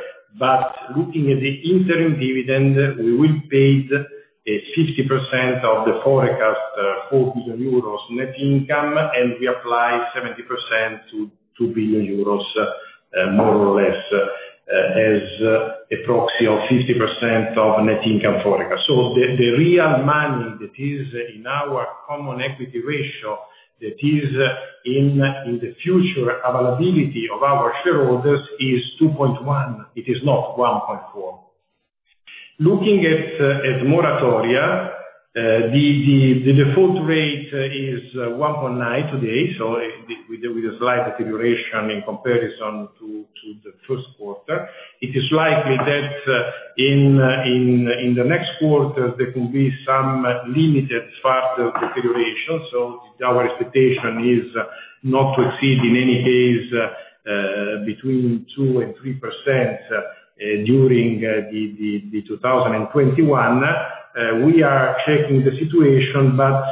Looking at the interim dividend, we will pay 60% of the forecast 4 billion euros net income, and we apply 70% to 2 billion euros, more or less, as a proxy of 50% of net income forecast. The real money that is in our Common Equity Ratio, that is in the future availability of our shareholders is 2.1, it is not 1.4. Looking at moratoria, the default rate is 1.9% today. With a slight deterioration in comparison to the first quarter. It is likely that in the next quarter, there will be some limited further deterioration. Our expectation is not to exceed, in any case, between 2% and 3% during 2021. We are checking the situation, but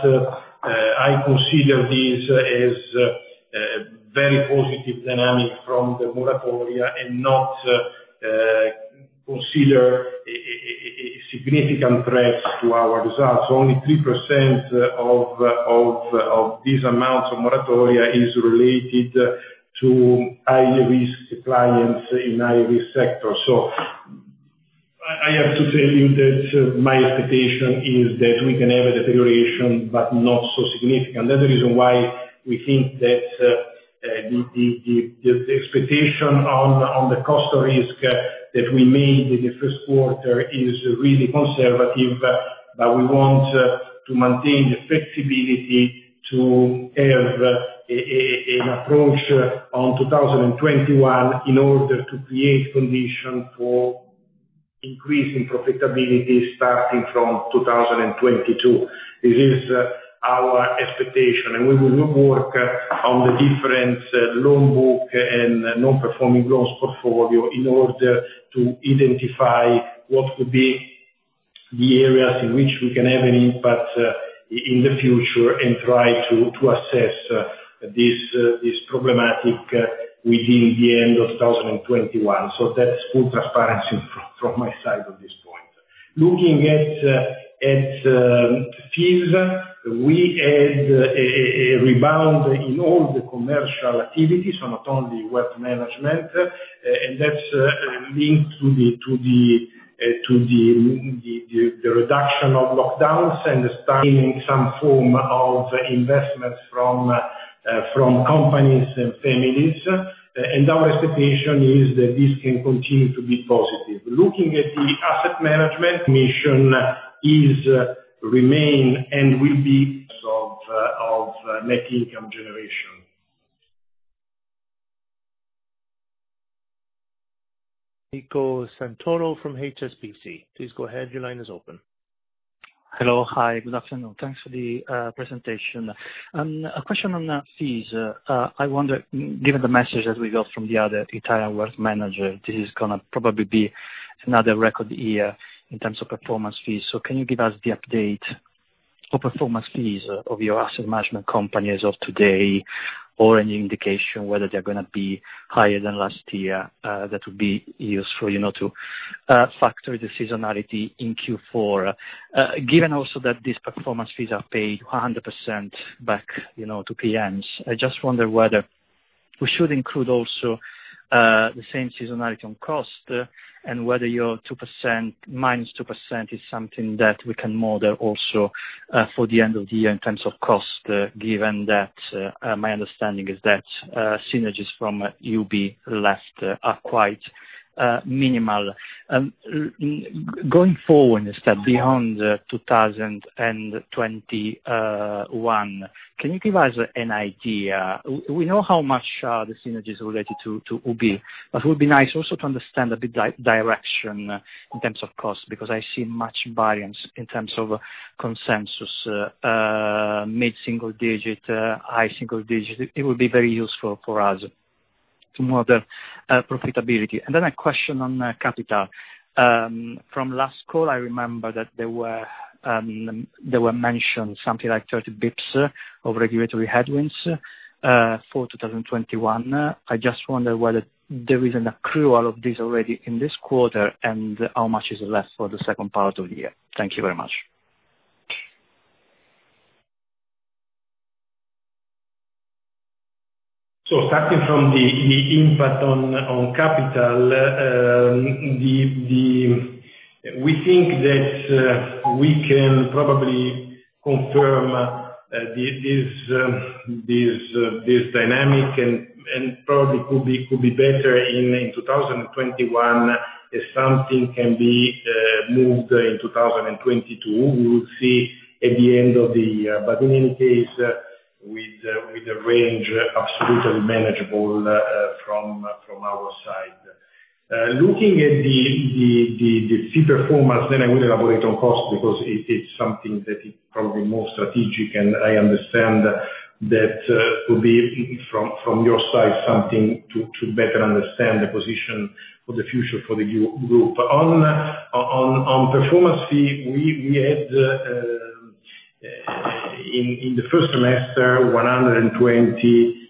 I consider this as a very positive dynamic from the moratoria, and not consider a significant threat to our results. Only 3% of these amounts of moratoria is related to high-risk clients in high-risk sectors. I have to tell you that my expectation is that we can have a deterioration, but not so significant. That's the reason why we think that the expectation on the cost of risk that we made in the first quarter is really conservative. We want to maintain the flexibility to have an approach on 2021 in order to create condition for increasing profitability starting from 2022. This is our expectation. We will work on the different loan book and non-performing loans portfolio in order to identify what could be the areas in which we can have an impact in the future, and try to assess this problematic within the end of 2021. That's full transparency from my side on this point. Looking at fees, we had a rebound in all the commercial activities, so not only Wealth Management. That's linked to the reduction of lockdowns and the starting some form of investments from companies and families. Our expectation is that this can continue to be positive. Looking at the asset management mission is remain and will be of net income generation. Domenico Santoro from HSBC. Please go ahead, your line is open. Hello. Hi. Good afternoon. Thanks for the presentation. A question on fees. I wonder, given the message that we got from the other entire wealth manager, this is going to probably be another record year in terms of performance fees. Can you give us the update for performance fees of your asset management company as of today, or any indication whether they're going to be higher than last year? That would be useful to factor the seasonality in Q4. Given also that these performance fees are paid 100% back to PMs, I just wonder whether we should include also the same seasonality on cost, and whether your -2% is something that we can model also for the end of the year in terms of cost, given that my understanding is that synergies from UBI left are quite minimal. Going forward, a step beyond 2021, can you give us an idea? We know how much are the synergies related to UBI Banca, it would be nice also to understand a bit direction in terms of cost, because I see much variance in terms of consensus, mid-single digit, high single digit. It would be very useful for us to model profitability. A question on capital. From last call, I remember that they were mentioned something like 30 basis points of regulatory headwinds for 2021. I just wonder whether there is an accrual of this already in this quarter, and how much is left for the second part of the year. Thank you very much. Starting from the impact on capital, we think that we can probably confirm this dynamic and probably could be better in 2021 if something can be moved in 2022. We will see at the end of the year. In any case, with the range absolutely manageable from our side. Looking at the fee performance, then I will elaborate on cost, because it is something that is probably more strategic, and I understand that will be from your side something to better understand the position for the future for the group. On performance fee, we had, in the first semester, 120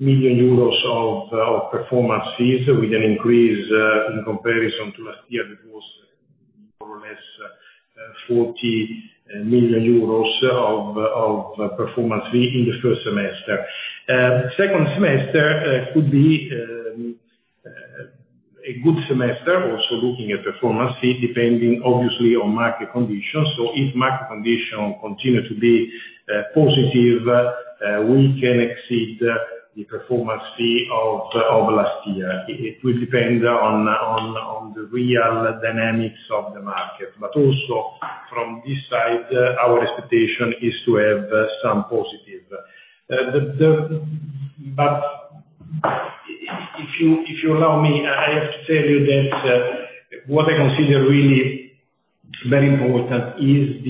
million euros of performance fees with an increase in comparison to last year that was more or less 40 million euros of performance fee in the first semester. Second semester could be a good semester also looking at performance fee, depending obviously on market conditions. If market conditions continue to be positive, we can exceed the performance fee of last year. It will depend on the real dynamics of the market, but also from this side, our expectation is to have some positive. If you allow me, I have to tell you that what I consider really very important is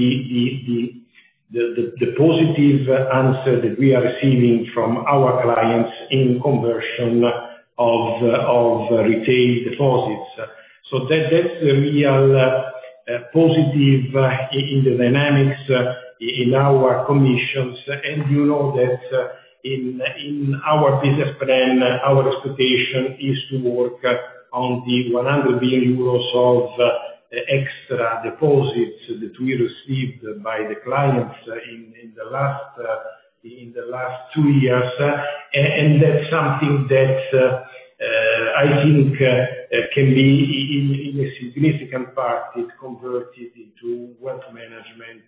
the positive answer that we are receiving from our clients in conversion of retail deposits. That's a real positive in the dynamics in our commissions. You know that in our business plan, our expectation is to work on the 100 billion euros of extra deposits that we received by the clients in the last two years. That's something that I think can be, in a significant part, it converted into Wealth Management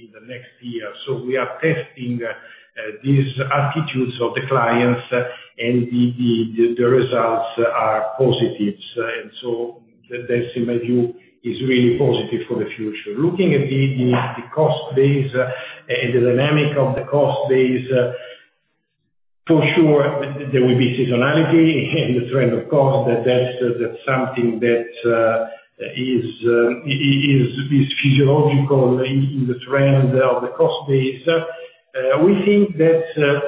in the next year. We are testing these attitudes of the clients, and the results are positive. That in my view is really positive for the future. Looking at the cost base and the dynamic of the cost base, for sure there will be seasonality in the trend of cost. That's something that is physiological in the trend of the cost base. We think that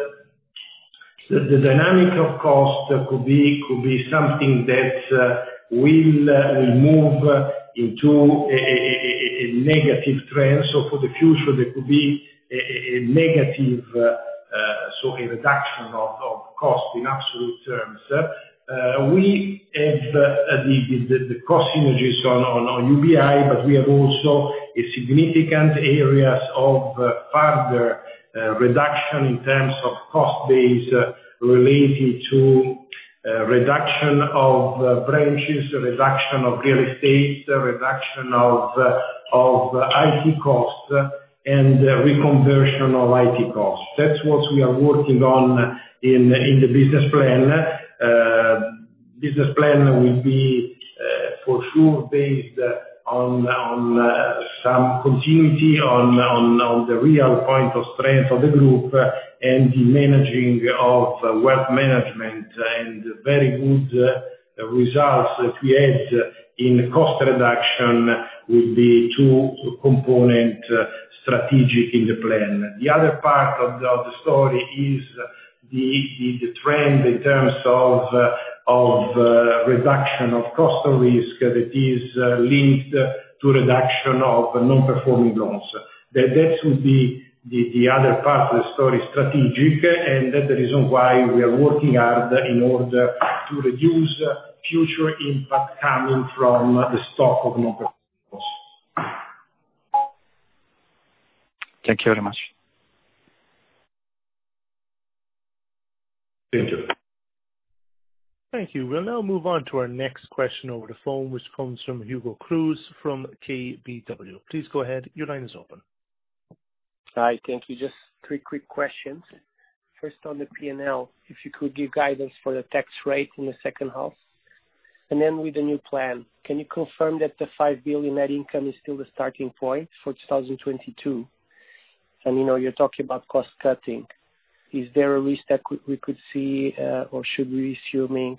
the dynamic of cost could be something that will move into a negative trend. For the future, there could be a negative, so a reduction of cost in absolute terms. We have the cost synergies on UBI, but we have also a significant areas of further reduction in terms of cost base related to reduction of branches, reduction of real estate, reduction of IT costs, and reconversion of IT costs. That's what we are working on in the business plan. Business plan will be for sure based on some continuity on the real point of strength of the group and the managing of Wealth Management. Very good results that we had in cost reduction will be two component strategic in the plan. The other part of the story is the trend in terms of reduction of cost of risk that is linked to reduction of non-performing loans. That would be the other part of the story strategic, and that's the reason why we are working hard in order to reduce future impact coming from the stock of non-performing loans. Thank you very much. Thank you. Thank you. We'll now move on to our next question over the phone, which comes from Hugo Cruz from KBW. Please go ahead. Your line is open. Hi. Thank you. Just three quick questions. First, on the P&L, if you could give guidance for the tax rate in the second half. With the new plan, can you confirm that the 5 billion net income is still the starting point for 2022? You're talking about cost cutting. Is there a risk that we could see, or should we be assuming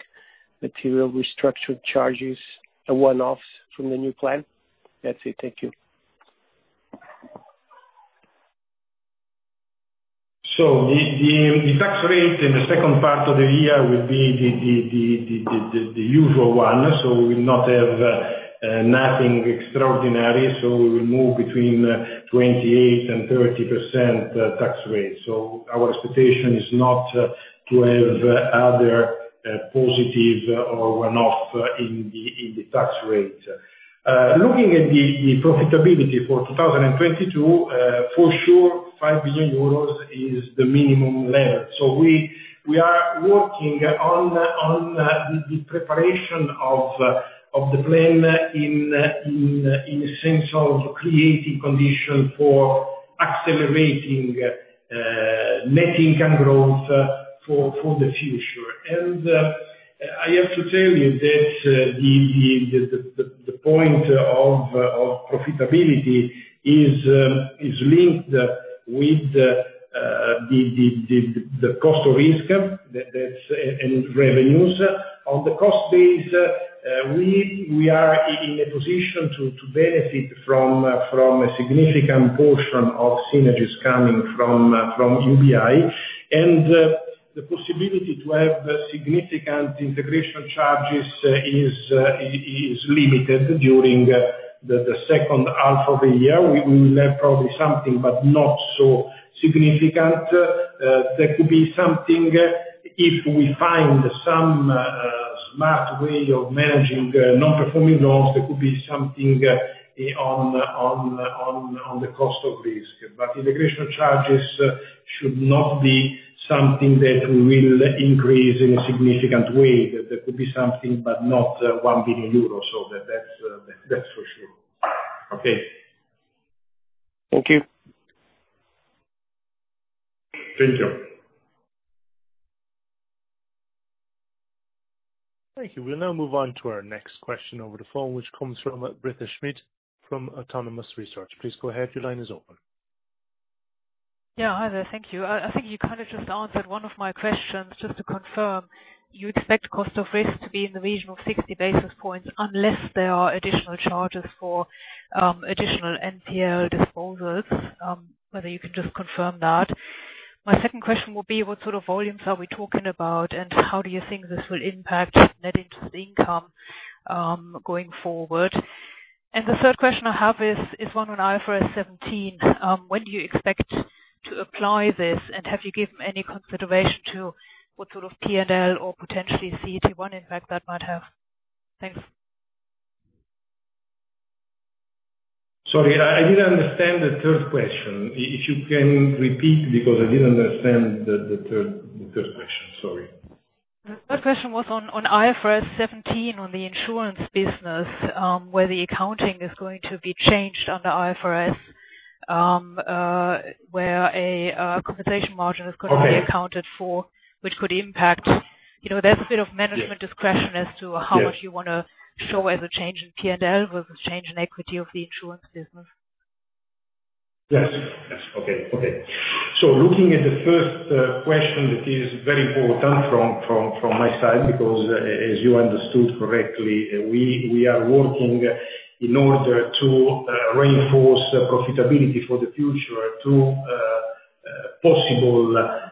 material restructure charges or one-offs from the new plan? That's it. Thank you. The tax rate in the second part of the year will be the usual one. We will not have nothing extraordinary. We will move between 28% and 30% tax rate. Our expectation is not to have other positive or one-off in the tax rate. Looking at the profitability for 2022, for sure, 5 billion euros is the minimum level. We are working on the preparation of the plan in the sense of creating condition for accelerating net income growth for the future. I have to tell you that the point of profitability is linked with the cost of risk, that's in revenues. On the cost base, we are in a position to benefit from a significant portion of synergies coming from UBI. The possibility to have significant integration charges is limited during the second half of the year. We will have probably something, but not so significant. There could be something if we find some smart way of managing non-performing loans, there could be something on the cost of risk. Integration charges should not be something that will increase in a significant way. That could be something, but not 1 billion euros. That's for sure. Okay. Thank you. Thank you. Thank you. We'll now move on to our next question over the phone, which comes from Britta Schmidt from Autonomous Research. Please go ahead. Your line is open. Yeah. Hi there. Thank you. I think you kind of just answered one of my questions. Just to confirm, you expect cost of risk to be in the region of 60 basis points unless there are additional charges for additional NPL disposals, whether you can just confirm that? My second question would be, what sort of volumes are we talking about, and how do you think this will impact net interest income going forward? The third question I have is one on IFRS 17. When do you expect to apply this, and have you given any consideration to what sort of P&L or potentially CET1 impact that might have? Thanks. Sorry, I didn't understand the third question. If you can repeat, because I didn't understand the third question. Sorry. The third question was on IFRS 17 on the Insurance business, where the accounting is going to be changed under IFRS, where a compensation margin is going to be accounted for, which could impact. There is a bit of management discretion as to how much you want to show as a change in P&L versus change in equity of the Insurance business. Yes. Okay. Looking at the first question, that is very important from my side, because as you understood correctly, we are working in order to reinforce profitability for the future to possible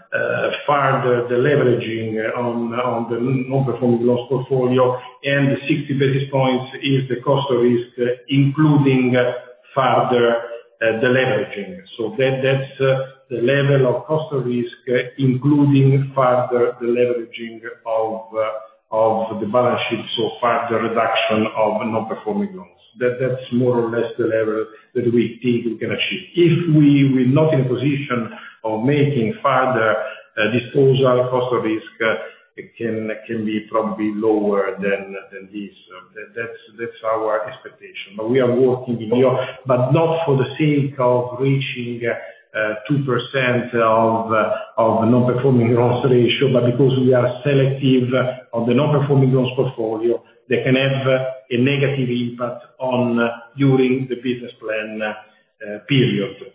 further deleveraging on the non-performing loans portfolio. The 60 basis points is the cost of risk, including further deleveraging. That's the level of cost of risk, including further deleveraging of the balance sheet, further reduction of non-performing loans. That's more or less the level that we think we can achieve. If we're not in a position of making further disposal, cost of risk can be probably lower than this. That's our expectation. We are working in here, but not for the sake of reaching 2% of non-performing loans ratio, but because we are selective on the non-performing loans portfolio that can have a negative impact during the business plan period.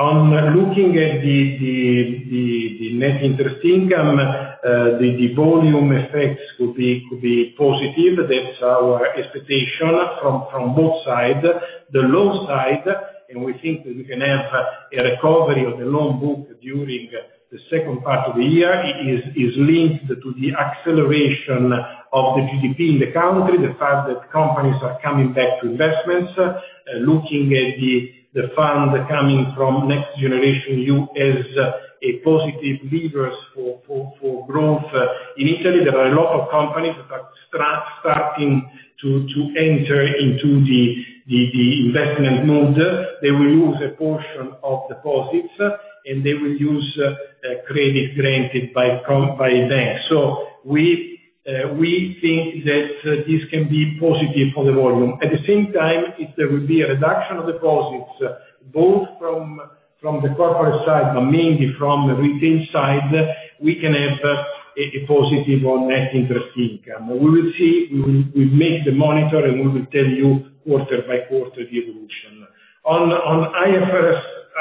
On looking at the net interest income, the volume effects could be positive. That's our expectation from both sides. The low side, and we think that we can have a recovery of the loan book during the second part of the year, is linked to the acceleration of the GDP in the country, the fact that companies are coming back to investments, looking at the fund coming from NextGenerationEU as a positive levers for growth. Initially, there are a lot of companies that are starting to enter into the investment mode. They will use a portion of deposits, and they will use credit granted by then. We think that this can be positive for the volume. At the same time, if there will be a reduction of deposits, both from the corporate side, but mainly from the retail side, we can have a positive on net interest income. We will see. We make the monitor, and we will tell you quarter by quarter the evolution. On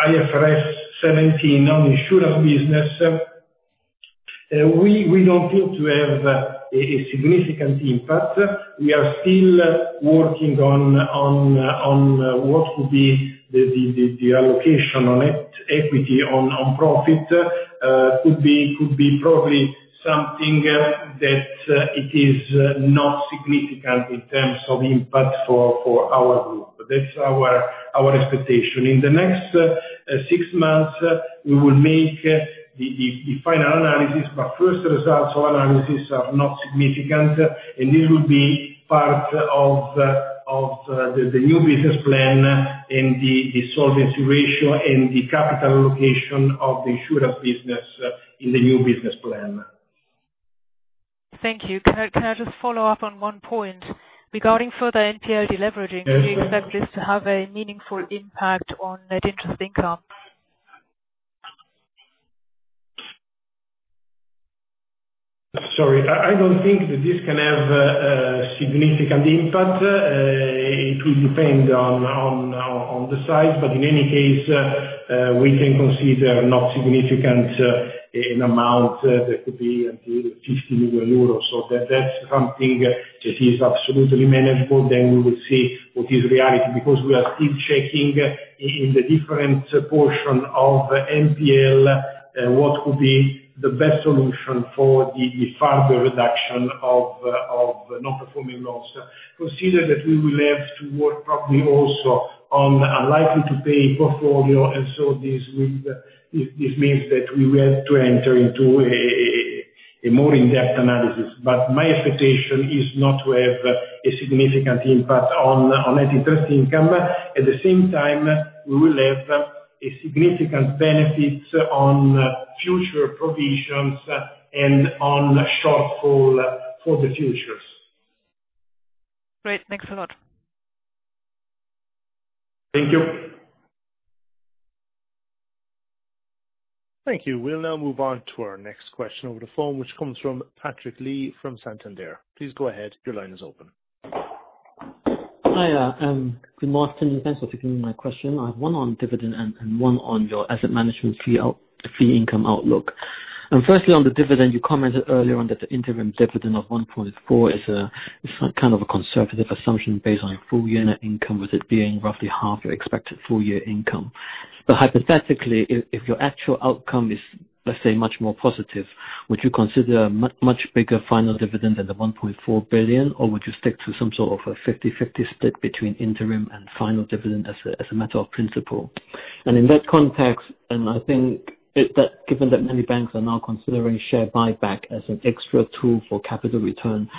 IFRS 17 on Insurance business, we don't think to have a significant impact. We are still working on what could be the allocation on equity, on profit. Could be probably something that it is not significant in terms of impact for our group. That's our expectation. In the next six months, we will make the final analysis, but first results of analysis are not significant, and this will be part of the new business plan and the solvency ratio and the capital allocation of the insurer business in the new business plan. Thank you. Can I just follow up on one point? Regarding further NPL deleveraging- Yes Do you expect this to have a meaningful impact on net interest income? Sorry. I don't think that this can have a significant impact. It will depend on the size, but in any case, we can consider not significant in amount. That could be 50 million euros. That's something that is absolutely manageable. We will see what is reality, because we are still checking in the different portion of NPL what could be the best solution for the further reduction of non-performing loans. Consider that we will have to work probably also on unlikely to pay portfolio. This means that we will have to enter into a more in-depth analysis. My expectation is not to have a significant impact on net interest income. At the same time, we will have a significant benefit on future provisions and on shortfall for the futures. Great. Thanks a lot. Thank you. Thank you. We'll now move on to our next question over the phone, which comes from Patrick Lee from Santander. Please go ahead, your line is open. Hi. Good morning, thanks for taking my question. I have one on dividend and one on your asset management fee income outlook. Firstly, on the dividend, you commented earlier on that the interim dividend of 1.4 is kind of a conservative assumption based on full year net income, with it being roughly half your expected full year income. Hypothetically, if your actual outcome is, let's say, much more positive, would you consider a much bigger final dividend than the 1.4 billion, or would you stick to some sort of a 50/50 split between interim and final dividend as a matter of principle? In that context, I think that given that many banks are now considering share buyback as an extra tool for capital return,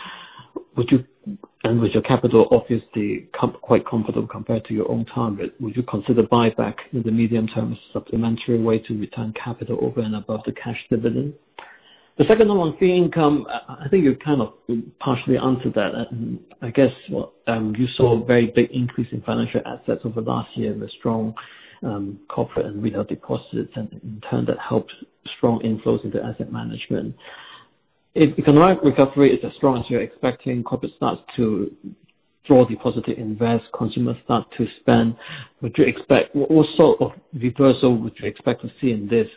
and with your capital obviously quite comfortable compared to your own target, would you consider buyback in the medium term as a supplementary way to return capital over and above the cash dividend? The second one on fee income. I think you kind of partially answered that. I guess, you saw a very big increase in financial assets over the last year with strong corporate and retail deposits, and in turn that helped strong inflows into asset management. If economic recovery is as strong as you're expecting, corporate starts to draw deposit to invest, consumers start to spend. What sort of reversal would you expect to see in this?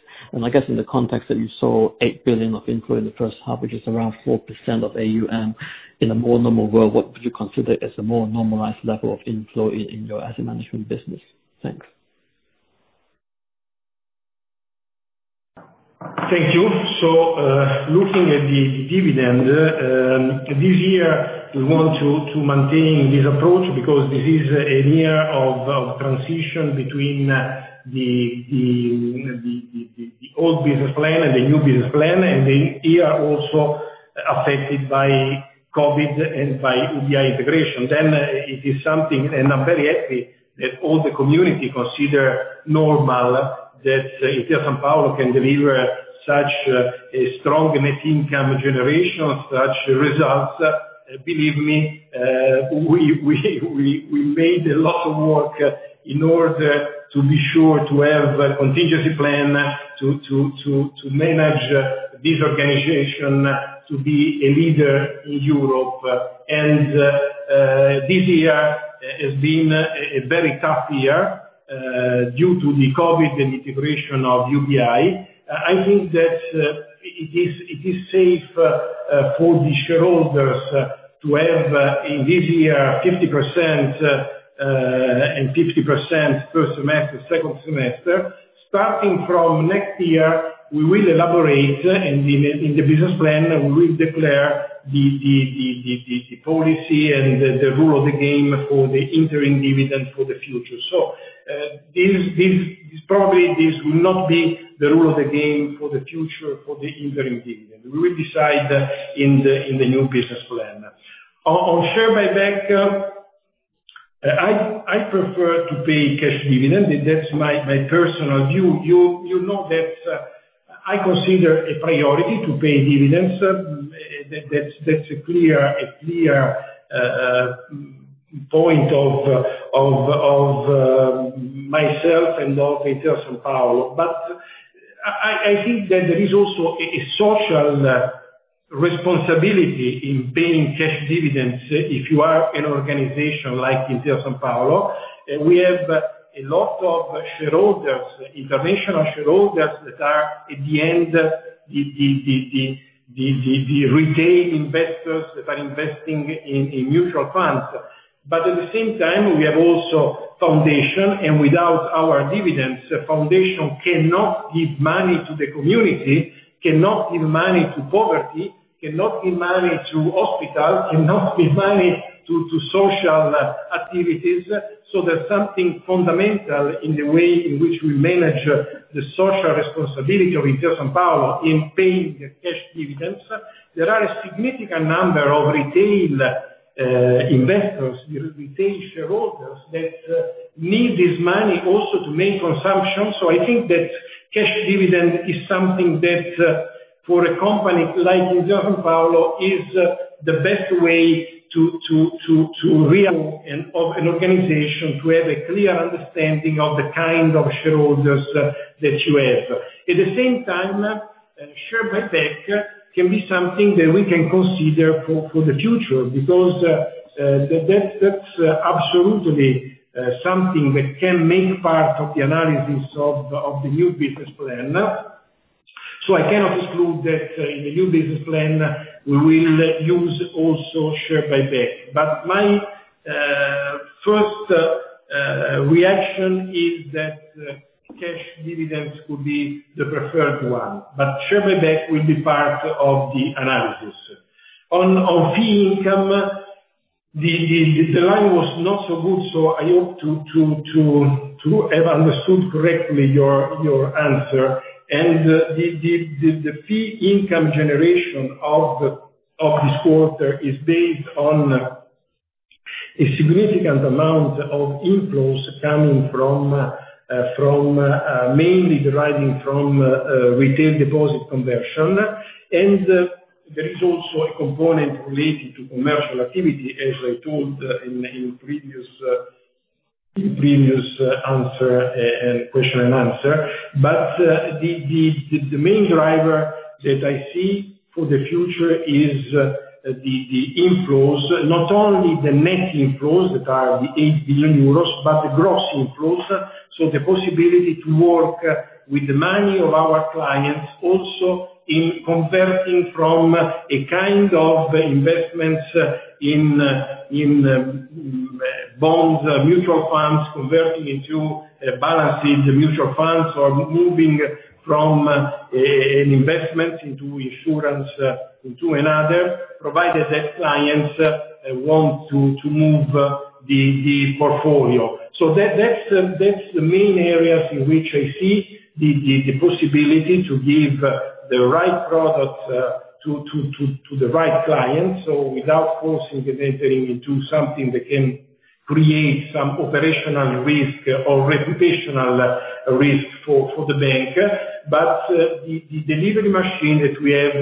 I guess in the context that you saw 8 billion of inflow in the first half, which is around 4% of AUM. In a more normal world, what would you consider as a more normalized level of inflow in your asset management business? Thanks. Thank you. Looking at the dividend, this year, we want to maintain this approach because this is a year of transition between the old business plan and the new business plan, and the year also affected by COVID and by UBI integration. It is something, and I am very happy that all the community consider normal that Intesa Sanpaolo can deliver such a strong net income generation of such results. Believe me, we made a lot of work in order to be sure to have a contingency plan to manage this organization to be a leader in Europe. This year has been a very tough year due to the COVID and integration of UBI. I think that it is safe for the shareholders to have, in this year, 50% first semester, second semester. Starting from next year, we will elaborate in the business plan, and we will declare the policy and the rule of the game for the interim dividend for the future. Probably this will not be the rule of the game for the future for the interim dividend. We will decide in the new business plan. On share buyback, I prefer to pay cash dividend. That's my personal view. You know that I consider a priority to pay dividends. That's a clear point of myself and of Intesa Sanpaolo. I think that there is also a social responsibility in paying cash dividends, if you are an organization like Intesa Sanpaolo, we have a lot of shareholders, international shareholders, that are, at the end, the retail investors that are investing in mutual funds. At the same time, we have also foundation, and without our dividends, the foundation cannot give money to the community, cannot give money to poverty, cannot give money to hospital, cannot give money to social activities. There's something fundamental in the way in which we manage the social responsibility of Intesa Sanpaolo in paying the cash dividends. There are a significant number of retail investors, retail shareholders, that need this money also to make consumption. I think that cash dividend is something that, for a company like Intesa Sanpaolo, is the best way to run an organization, to have a clear understanding of the kind of shareholders that you have. At the same time, share buyback can be something that we can consider for the future because that's absolutely something that can make part of the analysis of the new business plan. I cannot exclude that in the new business plan, we will use also share buyback. My first reaction is that cash dividends could be the preferred one, but share buyback will be part of the analysis. On fee income, the line was not so good, so I hope to have understood correctly your answer. The fee income generation of this quarter is based on a significant amount of inflows coming from, mainly deriving from, retail deposit conversion. There is also a component related to commercial activity, as I told in previous question-and-answer. The main driver that I see for the future is the inflows, not only the net inflows that are the 8 billion euros, but the gross inflows. The possibility to work with the money of our clients, also in converting from a kind of investments in bonds, mutual funds, converting into balances, mutual funds, or moving from an investment into insurance into another, provided that clients want to move the portfolio. That's the main areas in which I see the possibility to give the right product to the right client. Without forcing and entering into something that can create some operational risk or reputational risk for the bank. The delivery machine that we have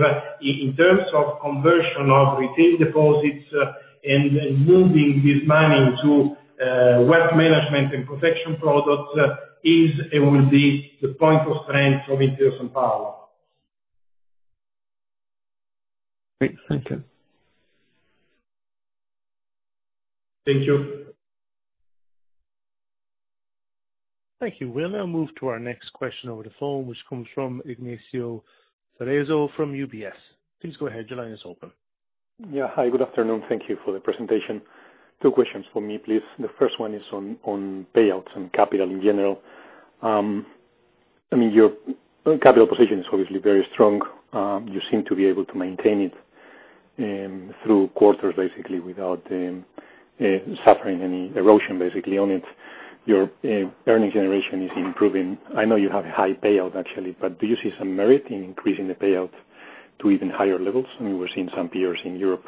in terms of conversion of retail deposits and moving this money to Wealth Management and protection products is, and will be, the point of strength of Intesa Sanpaolo. Great. Thank you. Thank you. Thank you. We'll now move to our next question over the phone, which comes from Ignacio Cerezo from UBS. Please go ahead. Your line is open. Yeah. Hi, good afternoon. Thank you for the presentation. Two questions from me, please. The first one is on payouts and capital in general. Your capital position is obviously very strong. You seem to be able to maintain it through quarters, basically, without suffering any erosion, basically, on it. Your earning generation is improving. I know you have a high payout, actually, but do you see some merit in increasing the payout to even higher levels? We're seeing some peers in Europe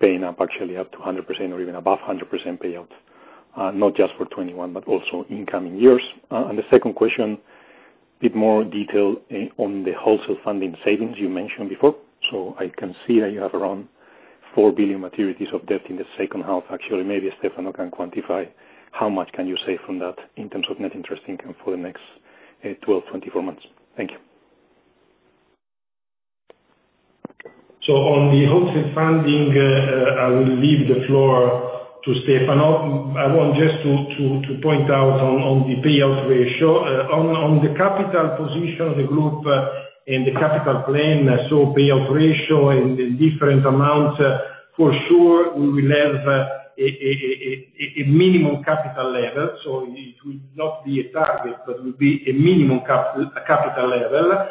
paying up, actually, up to 100% or even above 100% payout. Not just for 2021, but also in coming years. The second question, a bit more detail on the wholesale funding savings you mentioned before. I can see that you have around 4 billion maturities of debt in the second half. Actually, maybe Stefano can quantify how much can you save from that in terms of net interest income for the next 12, 24 months. Thank you. On the wholesale funding, I will leave the floor to Stefano. I want just to point out on the payout ratio. On the capital position of the group and the capital plan, so payout ratio and the different amounts, for sure, we will have a minimum capital level. It will not be a target, but it will be a minimum capital level.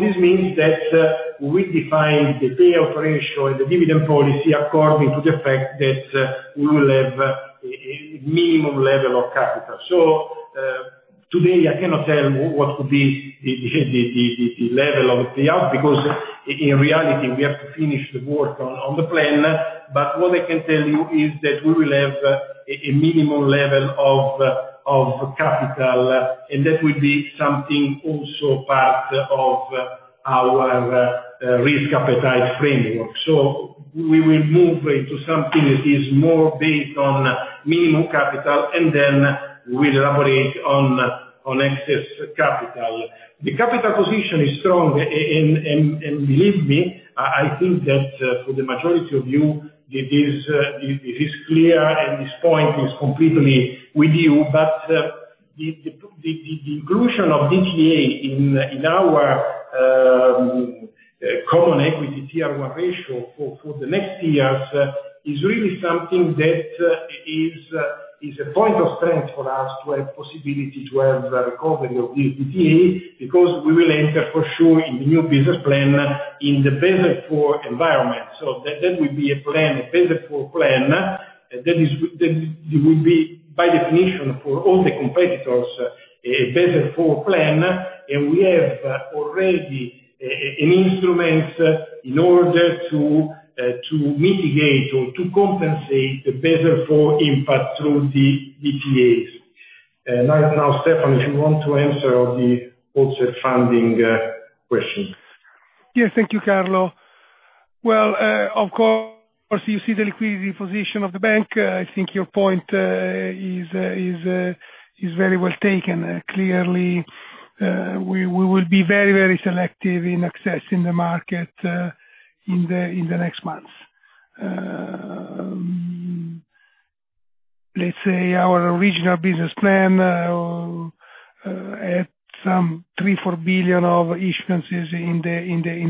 This means that we define the payout ratio and the dividend policy according to the fact that we will have a minimum level of capital. Today I cannot tell what could be the level of payout, because in reality, we have to finish the work on the plan. What I can tell you is that we will have a minimum level of capital, and that will be something also part of our risk appetite framework. We will move into something that is more based on minimum capital, and then we'll elaborate on excess capital. The capital position is strong, and believe me, I think that for the majority of you, it is clear and this point is completely with you. The inclusion of DTA in our Common Equity Tier 1 ratio for the next years is really something that is a point of strength for us to have possibility to have the recovery of the DTA, because we will enter for sure in the new business plan in the Basel IV environment. That will be a plan, a Basel IV plan, that it will be by definition for all the competitors, a Basel IV plan, and we have already an instrument in order to mitigate or to compensate the Basel IV impact through the DTAs. Now, Stefano Del Punta, if you want to answer on the offset funding question. Yes, thank you, Carlo. Of course, you see the liquidity position of the bank. I think your point is very well taken. Clearly, we will be very selective in accessing the market in the next months. Let's say our original business plan at some 3, 4 billion of issuances in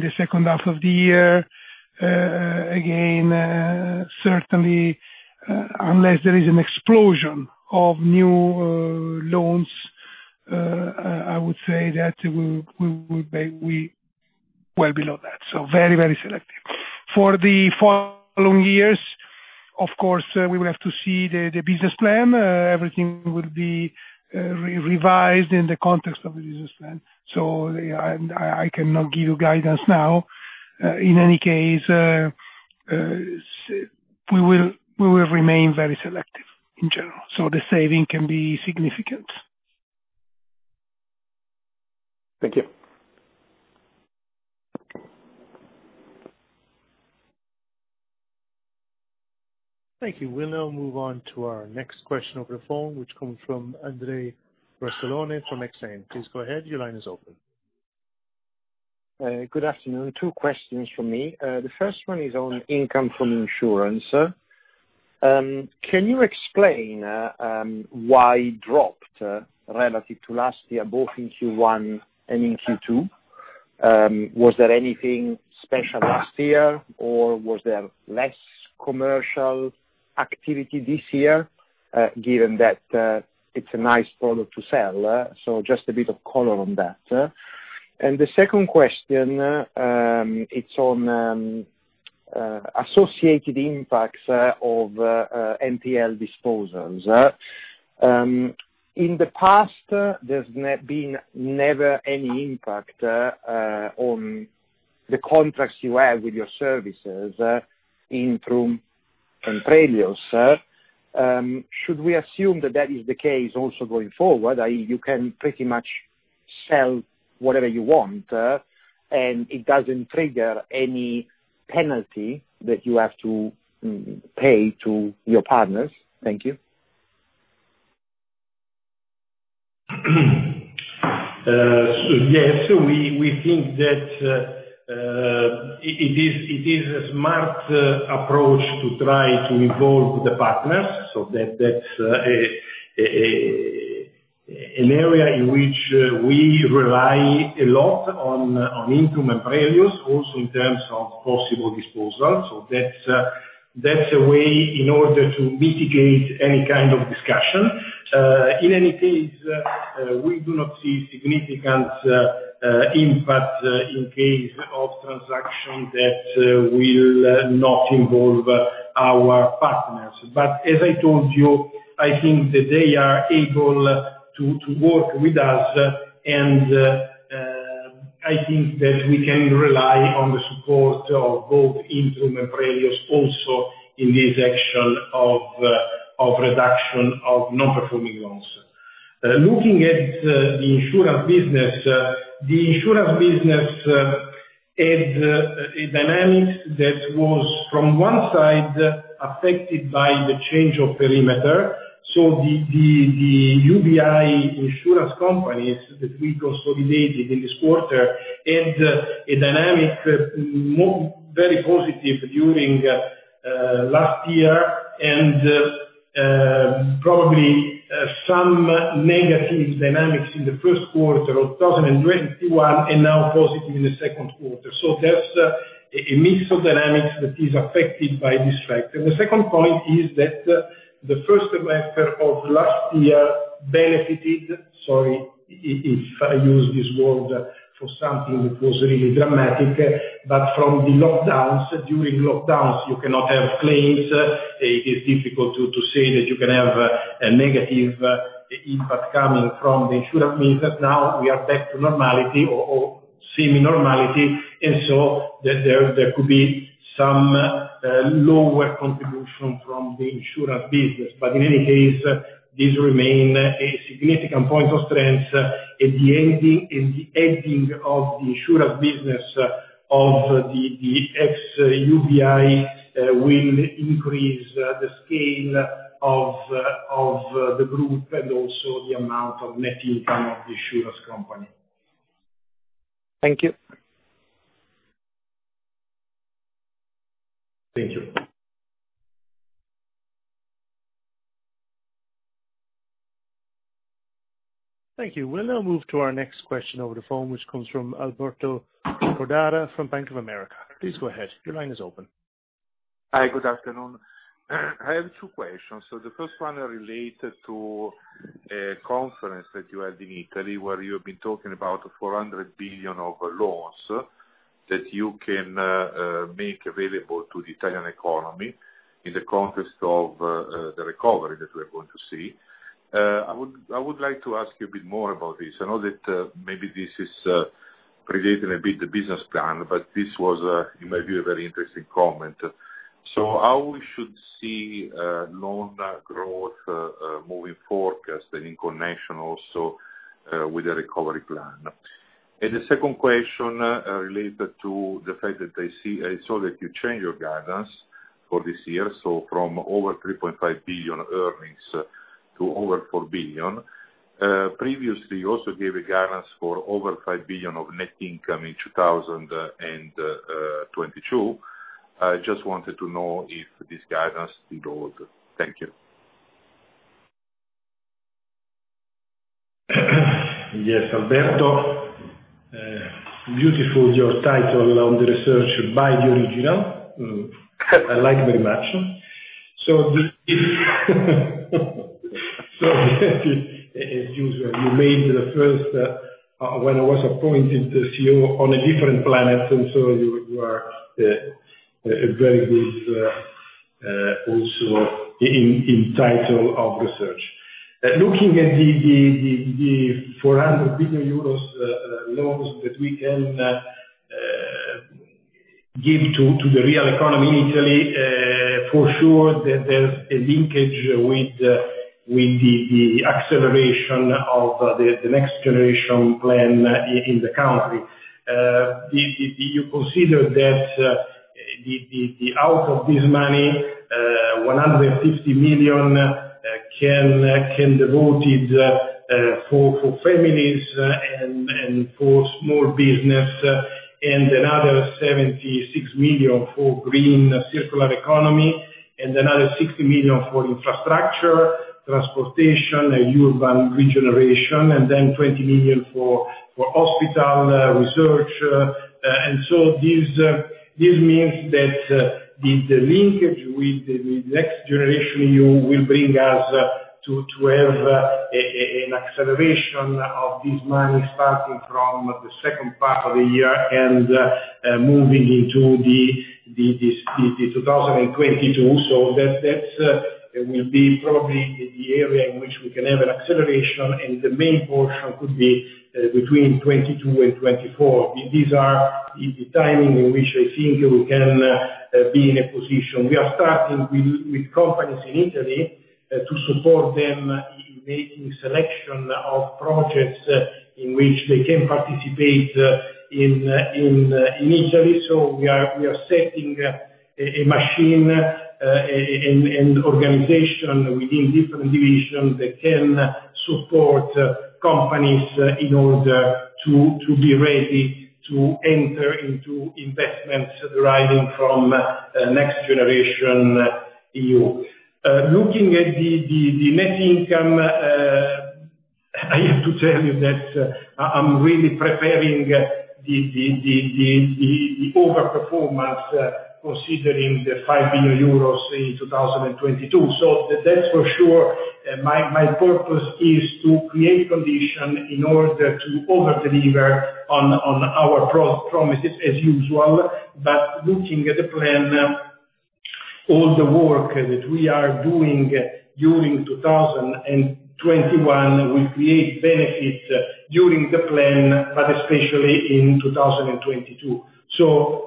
the second half of the year. Certainly, unless there is an explosion of new loans, I would say that we're below that. Very selective. For the following years, of course, we will have to see the business plan. Everything will be revised in the context of the business plan. I cannot give you guidance now. In any case, we will remain very selective in general. The saving can be significant. Thank you. Thank you. We'll now move on to our next question over the phone, which comes from Andrea Vercellone from Exane. Please go ahead. Your line is open. Good afternoon. Two questions from me. The first one is on income from insurance. Can you explain why it dropped relative to last year, both in Q1 and in Q2? Was there anything special last year, or was there less commercial activity this year, given that it's a nice product to sell? Just a bit of color on that. The second question, it's on associated impacts of NPL disposals. In the past, there's been never any impact on the contracts you have with your servicers, Intrum and Prelios. Should we assume that that is the case also going forward, i.e., you can pretty much sell whatever you want, and it doesn't trigger any penalty that you have to pay to your partners? Thank you. Yes. We think that it is a smart approach to try to involve the partners, that's an area in which we rely a lot on Intrum and Prelios, also in terms of possible disposal. That's a way in order to mitigate any kind of discussion. In any case, we do not see significant impact in case of transaction that will not involve our partners. As I told you, I think that they are able to work with us, and I think that we can rely on the support of both Intrum and Prelios also in this action of reduction of non-performing loans. Looking at the Insurance business, the Insurance business had a dynamic that was from one side affected by the change of perimeter. The UBI insurance companies that we consolidated in this quarter had a dynamic very positive during last year, and probably some negative dynamics in the first quarter of 2021, and now positive in the second quarter. There's a mix of dynamics that is affected by this factor. The second point is that the first semester of last year benefited, sorry if I use this word for something that was really dramatic, but from the lockdowns. During lockdowns, you cannot have claims. It is difficult to say that you can have a negative impact coming from the insurance means that now we are back to normality or semi-normality. There could be some lower contribution from the Insurance business. In any case, this remains a significant point of strength in the ending of the Insurance business of the ex-UBI will increase the scale of the group and also the amount of net income of the insurance company. Thank you. Thank you. Thank you. We'll now move to our next question over the phone, which comes from Alberto Cordara from Bank of America. Please go ahead. Your line is open. Hi, good afternoon. I have two questions. The first one related to a conference that you had in Italy, where you have been talking about 400 billion of loans that you can make available to the Italian economy in the context of the recovery that we are going to see. I would like to ask you a bit more about this. I know that maybe this is preluding a bit the business plan, but this was, in my view, a very interesting comment. How we should see loan growth moving forecast and in connection also with the recovery plan? The second question related to the fact that I saw that you changed your guidance for this year, from over 3.5 billion earnings to over 4 billion. Previously, you also gave a guidance for over 5 billion of net income in 2022. I just wanted to know if this guidance still holds. Thank you. Yes, Alberto. Beautiful, your title on the research, "Buy the Original." I like very much. As usual, you made the first, when I was appointed the CEO on a different planet, you are very good also in title of research. Looking at the 400 billion euros loans that we can give to the real economy in Italy, for sure, there's a linkage with the acceleration of the NextGeneration plan in the country. You consider that out of this money, 150 million can devoted for families and for small business, another 76 million for green circular economy, another 60 million for infrastructure, transportation, urban regeneration, then 20 million for hospital research. This means that the linkage with the NextGenerationEU will bring us to have an acceleration of this money starting from the second part of the year and moving into the 2022. That will be probably the area in which we can have an acceleration, and the main portion could be between 2022 and 2024. These are the timing in which I think we can be in a position. We are starting with companies in Italy to support them in making selection of projects in which they can participate in Italy. We are setting a machine and organization within different divisions that can support companies in order to be ready to enter into investments arriving from NextGenerationEU. Looking at the net income, I have to tell you that I'm really preparing the over-performance, considering the 5 billion euros in 2022. That's for sure. My purpose is to create condition in order to over-deliver on our promises as usual. Looking at the plan, all the work that we are doing during 2021, we create benefits during the plan, but especially in 2022.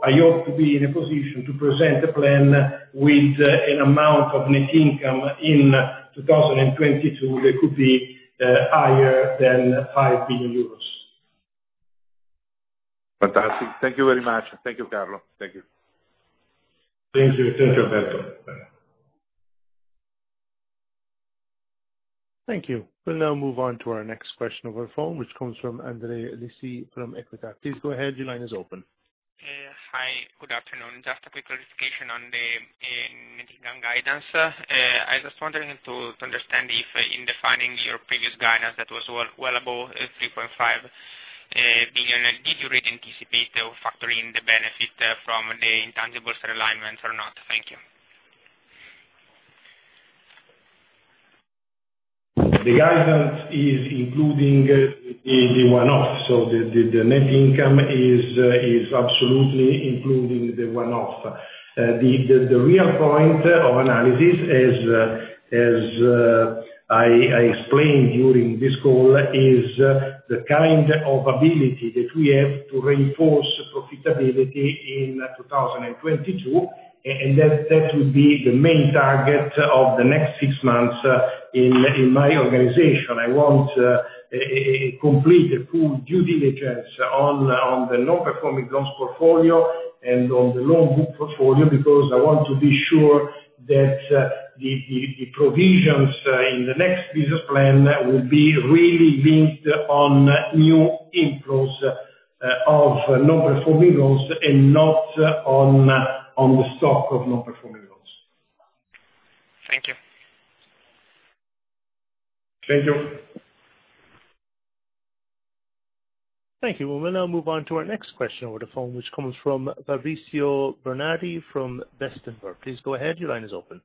I hope to be in a position to present a plan with an amount of net income in 2022 that could be higher than 5 billion euros. Fantastic. Thank you very much. Thank you, Carlo. Thank you. Thank you. Thank you, Alberto. Bye. Thank you. We will now move on to our next question over the phone, which comes from Andrea Lisi from EQUITA. Please go ahead. Your line is open. Hi, good afternoon. Just a quick clarification on the net income guidance. I was wondering to understand if in defining your previous guidance that was well above 3.5 billion, did you really anticipate or factor in the benefit from the intangibles realignment or not? Thank you. The guidance is including the one-off. The net income is absolutely including the one-off. The real point of analysis, as I explained during this call, is the kind of ability that we have to reinforce profitability in 2022, and that will be the main target of the next six months in my organization. I want a complete, full due diligence on the non-performing loans portfolio and on the loan book portfolio because I want to be sure that the provisions in the next business plan will be really linked on new inflows of non-performing loans and not on the stock of non-performing loans. Thank you. Thank you. Thank you. We'll now move on to our next question over the phone, which comes from Fabrizio Bernardi from Bestinver. Please go ahead. Your line is open.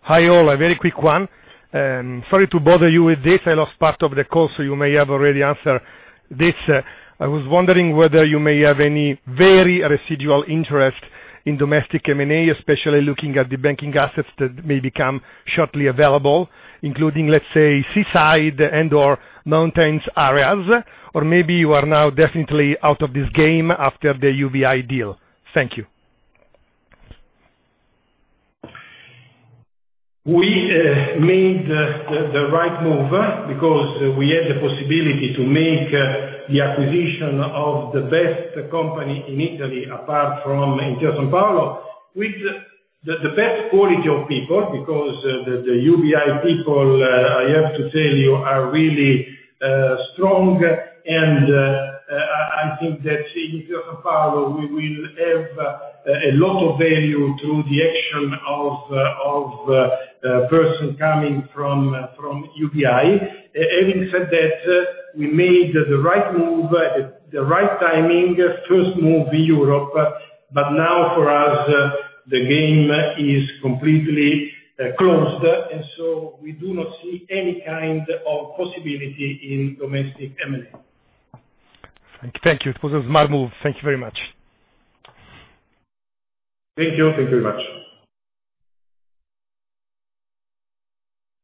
Hi, all. A very quick one. Sorry to bother you with this. I lost part of the call, so you may have already answered this. I was wondering whether you may have any very residual interest in domestic M&A, especially looking at the banking assets that may become shortly available, including, let's say, seaside and/or mountains areas, or maybe you are now definitely out of this game after the UBI deal. Thank you. We made the right move because we had the possibility to make the acquisition of the best company in Italy, apart from Intesa Sanpaolo, with the best quality of people, because the UBI people, I have to tell you, are really strong. I think that in Intesa Sanpaolo, we will have a lot of value through the action of people coming from UBI. Having said that, we made the right move at the right timing. First, move to Europe, but now for us, the game is completely closed, and so we do not see any kind of possibility in domestic M&A. Thank you. It was a smart move. Thank you very much. Thank you. Thank you very much.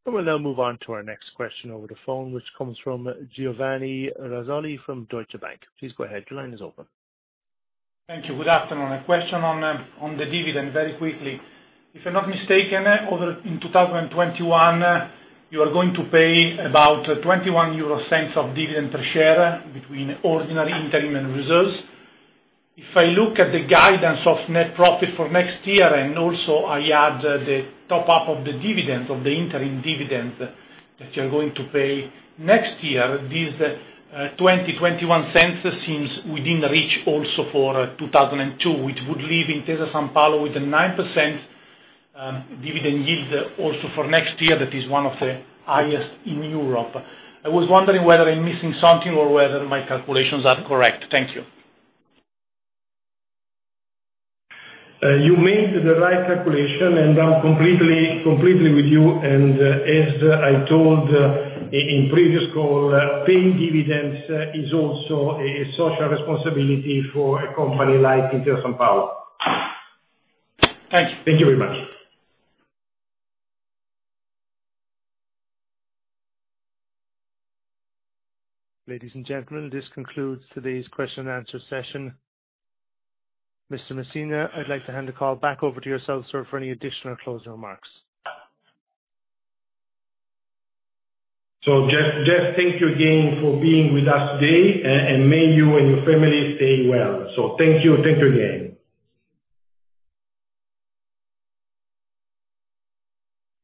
We'll now move on to our next question over the phone, which comes from Giovanni Razzoli from Deutsche Bank. Please go ahead. Your line is open. Thank you. Good afternoon. A question on the dividend, very quickly. If I'm not mistaken, over in 2021, you are going to pay about 0.21 of dividend per share between ordinary interim and reserves. If I look at the guidance of net profit for next year, and also I add the top-up of the interim dividend that you're going to pay next year, this 0.20, 0.21 seems within reach also for 2022, which would leave Intesa Sanpaolo with a 9% dividend yield also for next year. That is one of the highest in Europe. I was wondering whether I'm missing something or whether my calculations are correct. Thank you. You made the right calculation, and I'm completely with you, and as I told in previous call, paying dividends is also a social responsibility for a company like Intesa Sanpaolo. Thank you. Thank you very much. Ladies and gentlemen, this concludes today's question-and-answer session. Mr. Messina, I'd like to hand the call back over to yourself, sir, for any additional closing remarks. Just thank you again for being with us today, and may you and your family stay well. Thank you. Thank you again.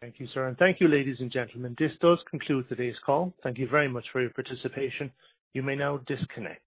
Thank you, sir, and thank you, ladies and gentlemen. This does conclude today's call. Thank you very much for your participation.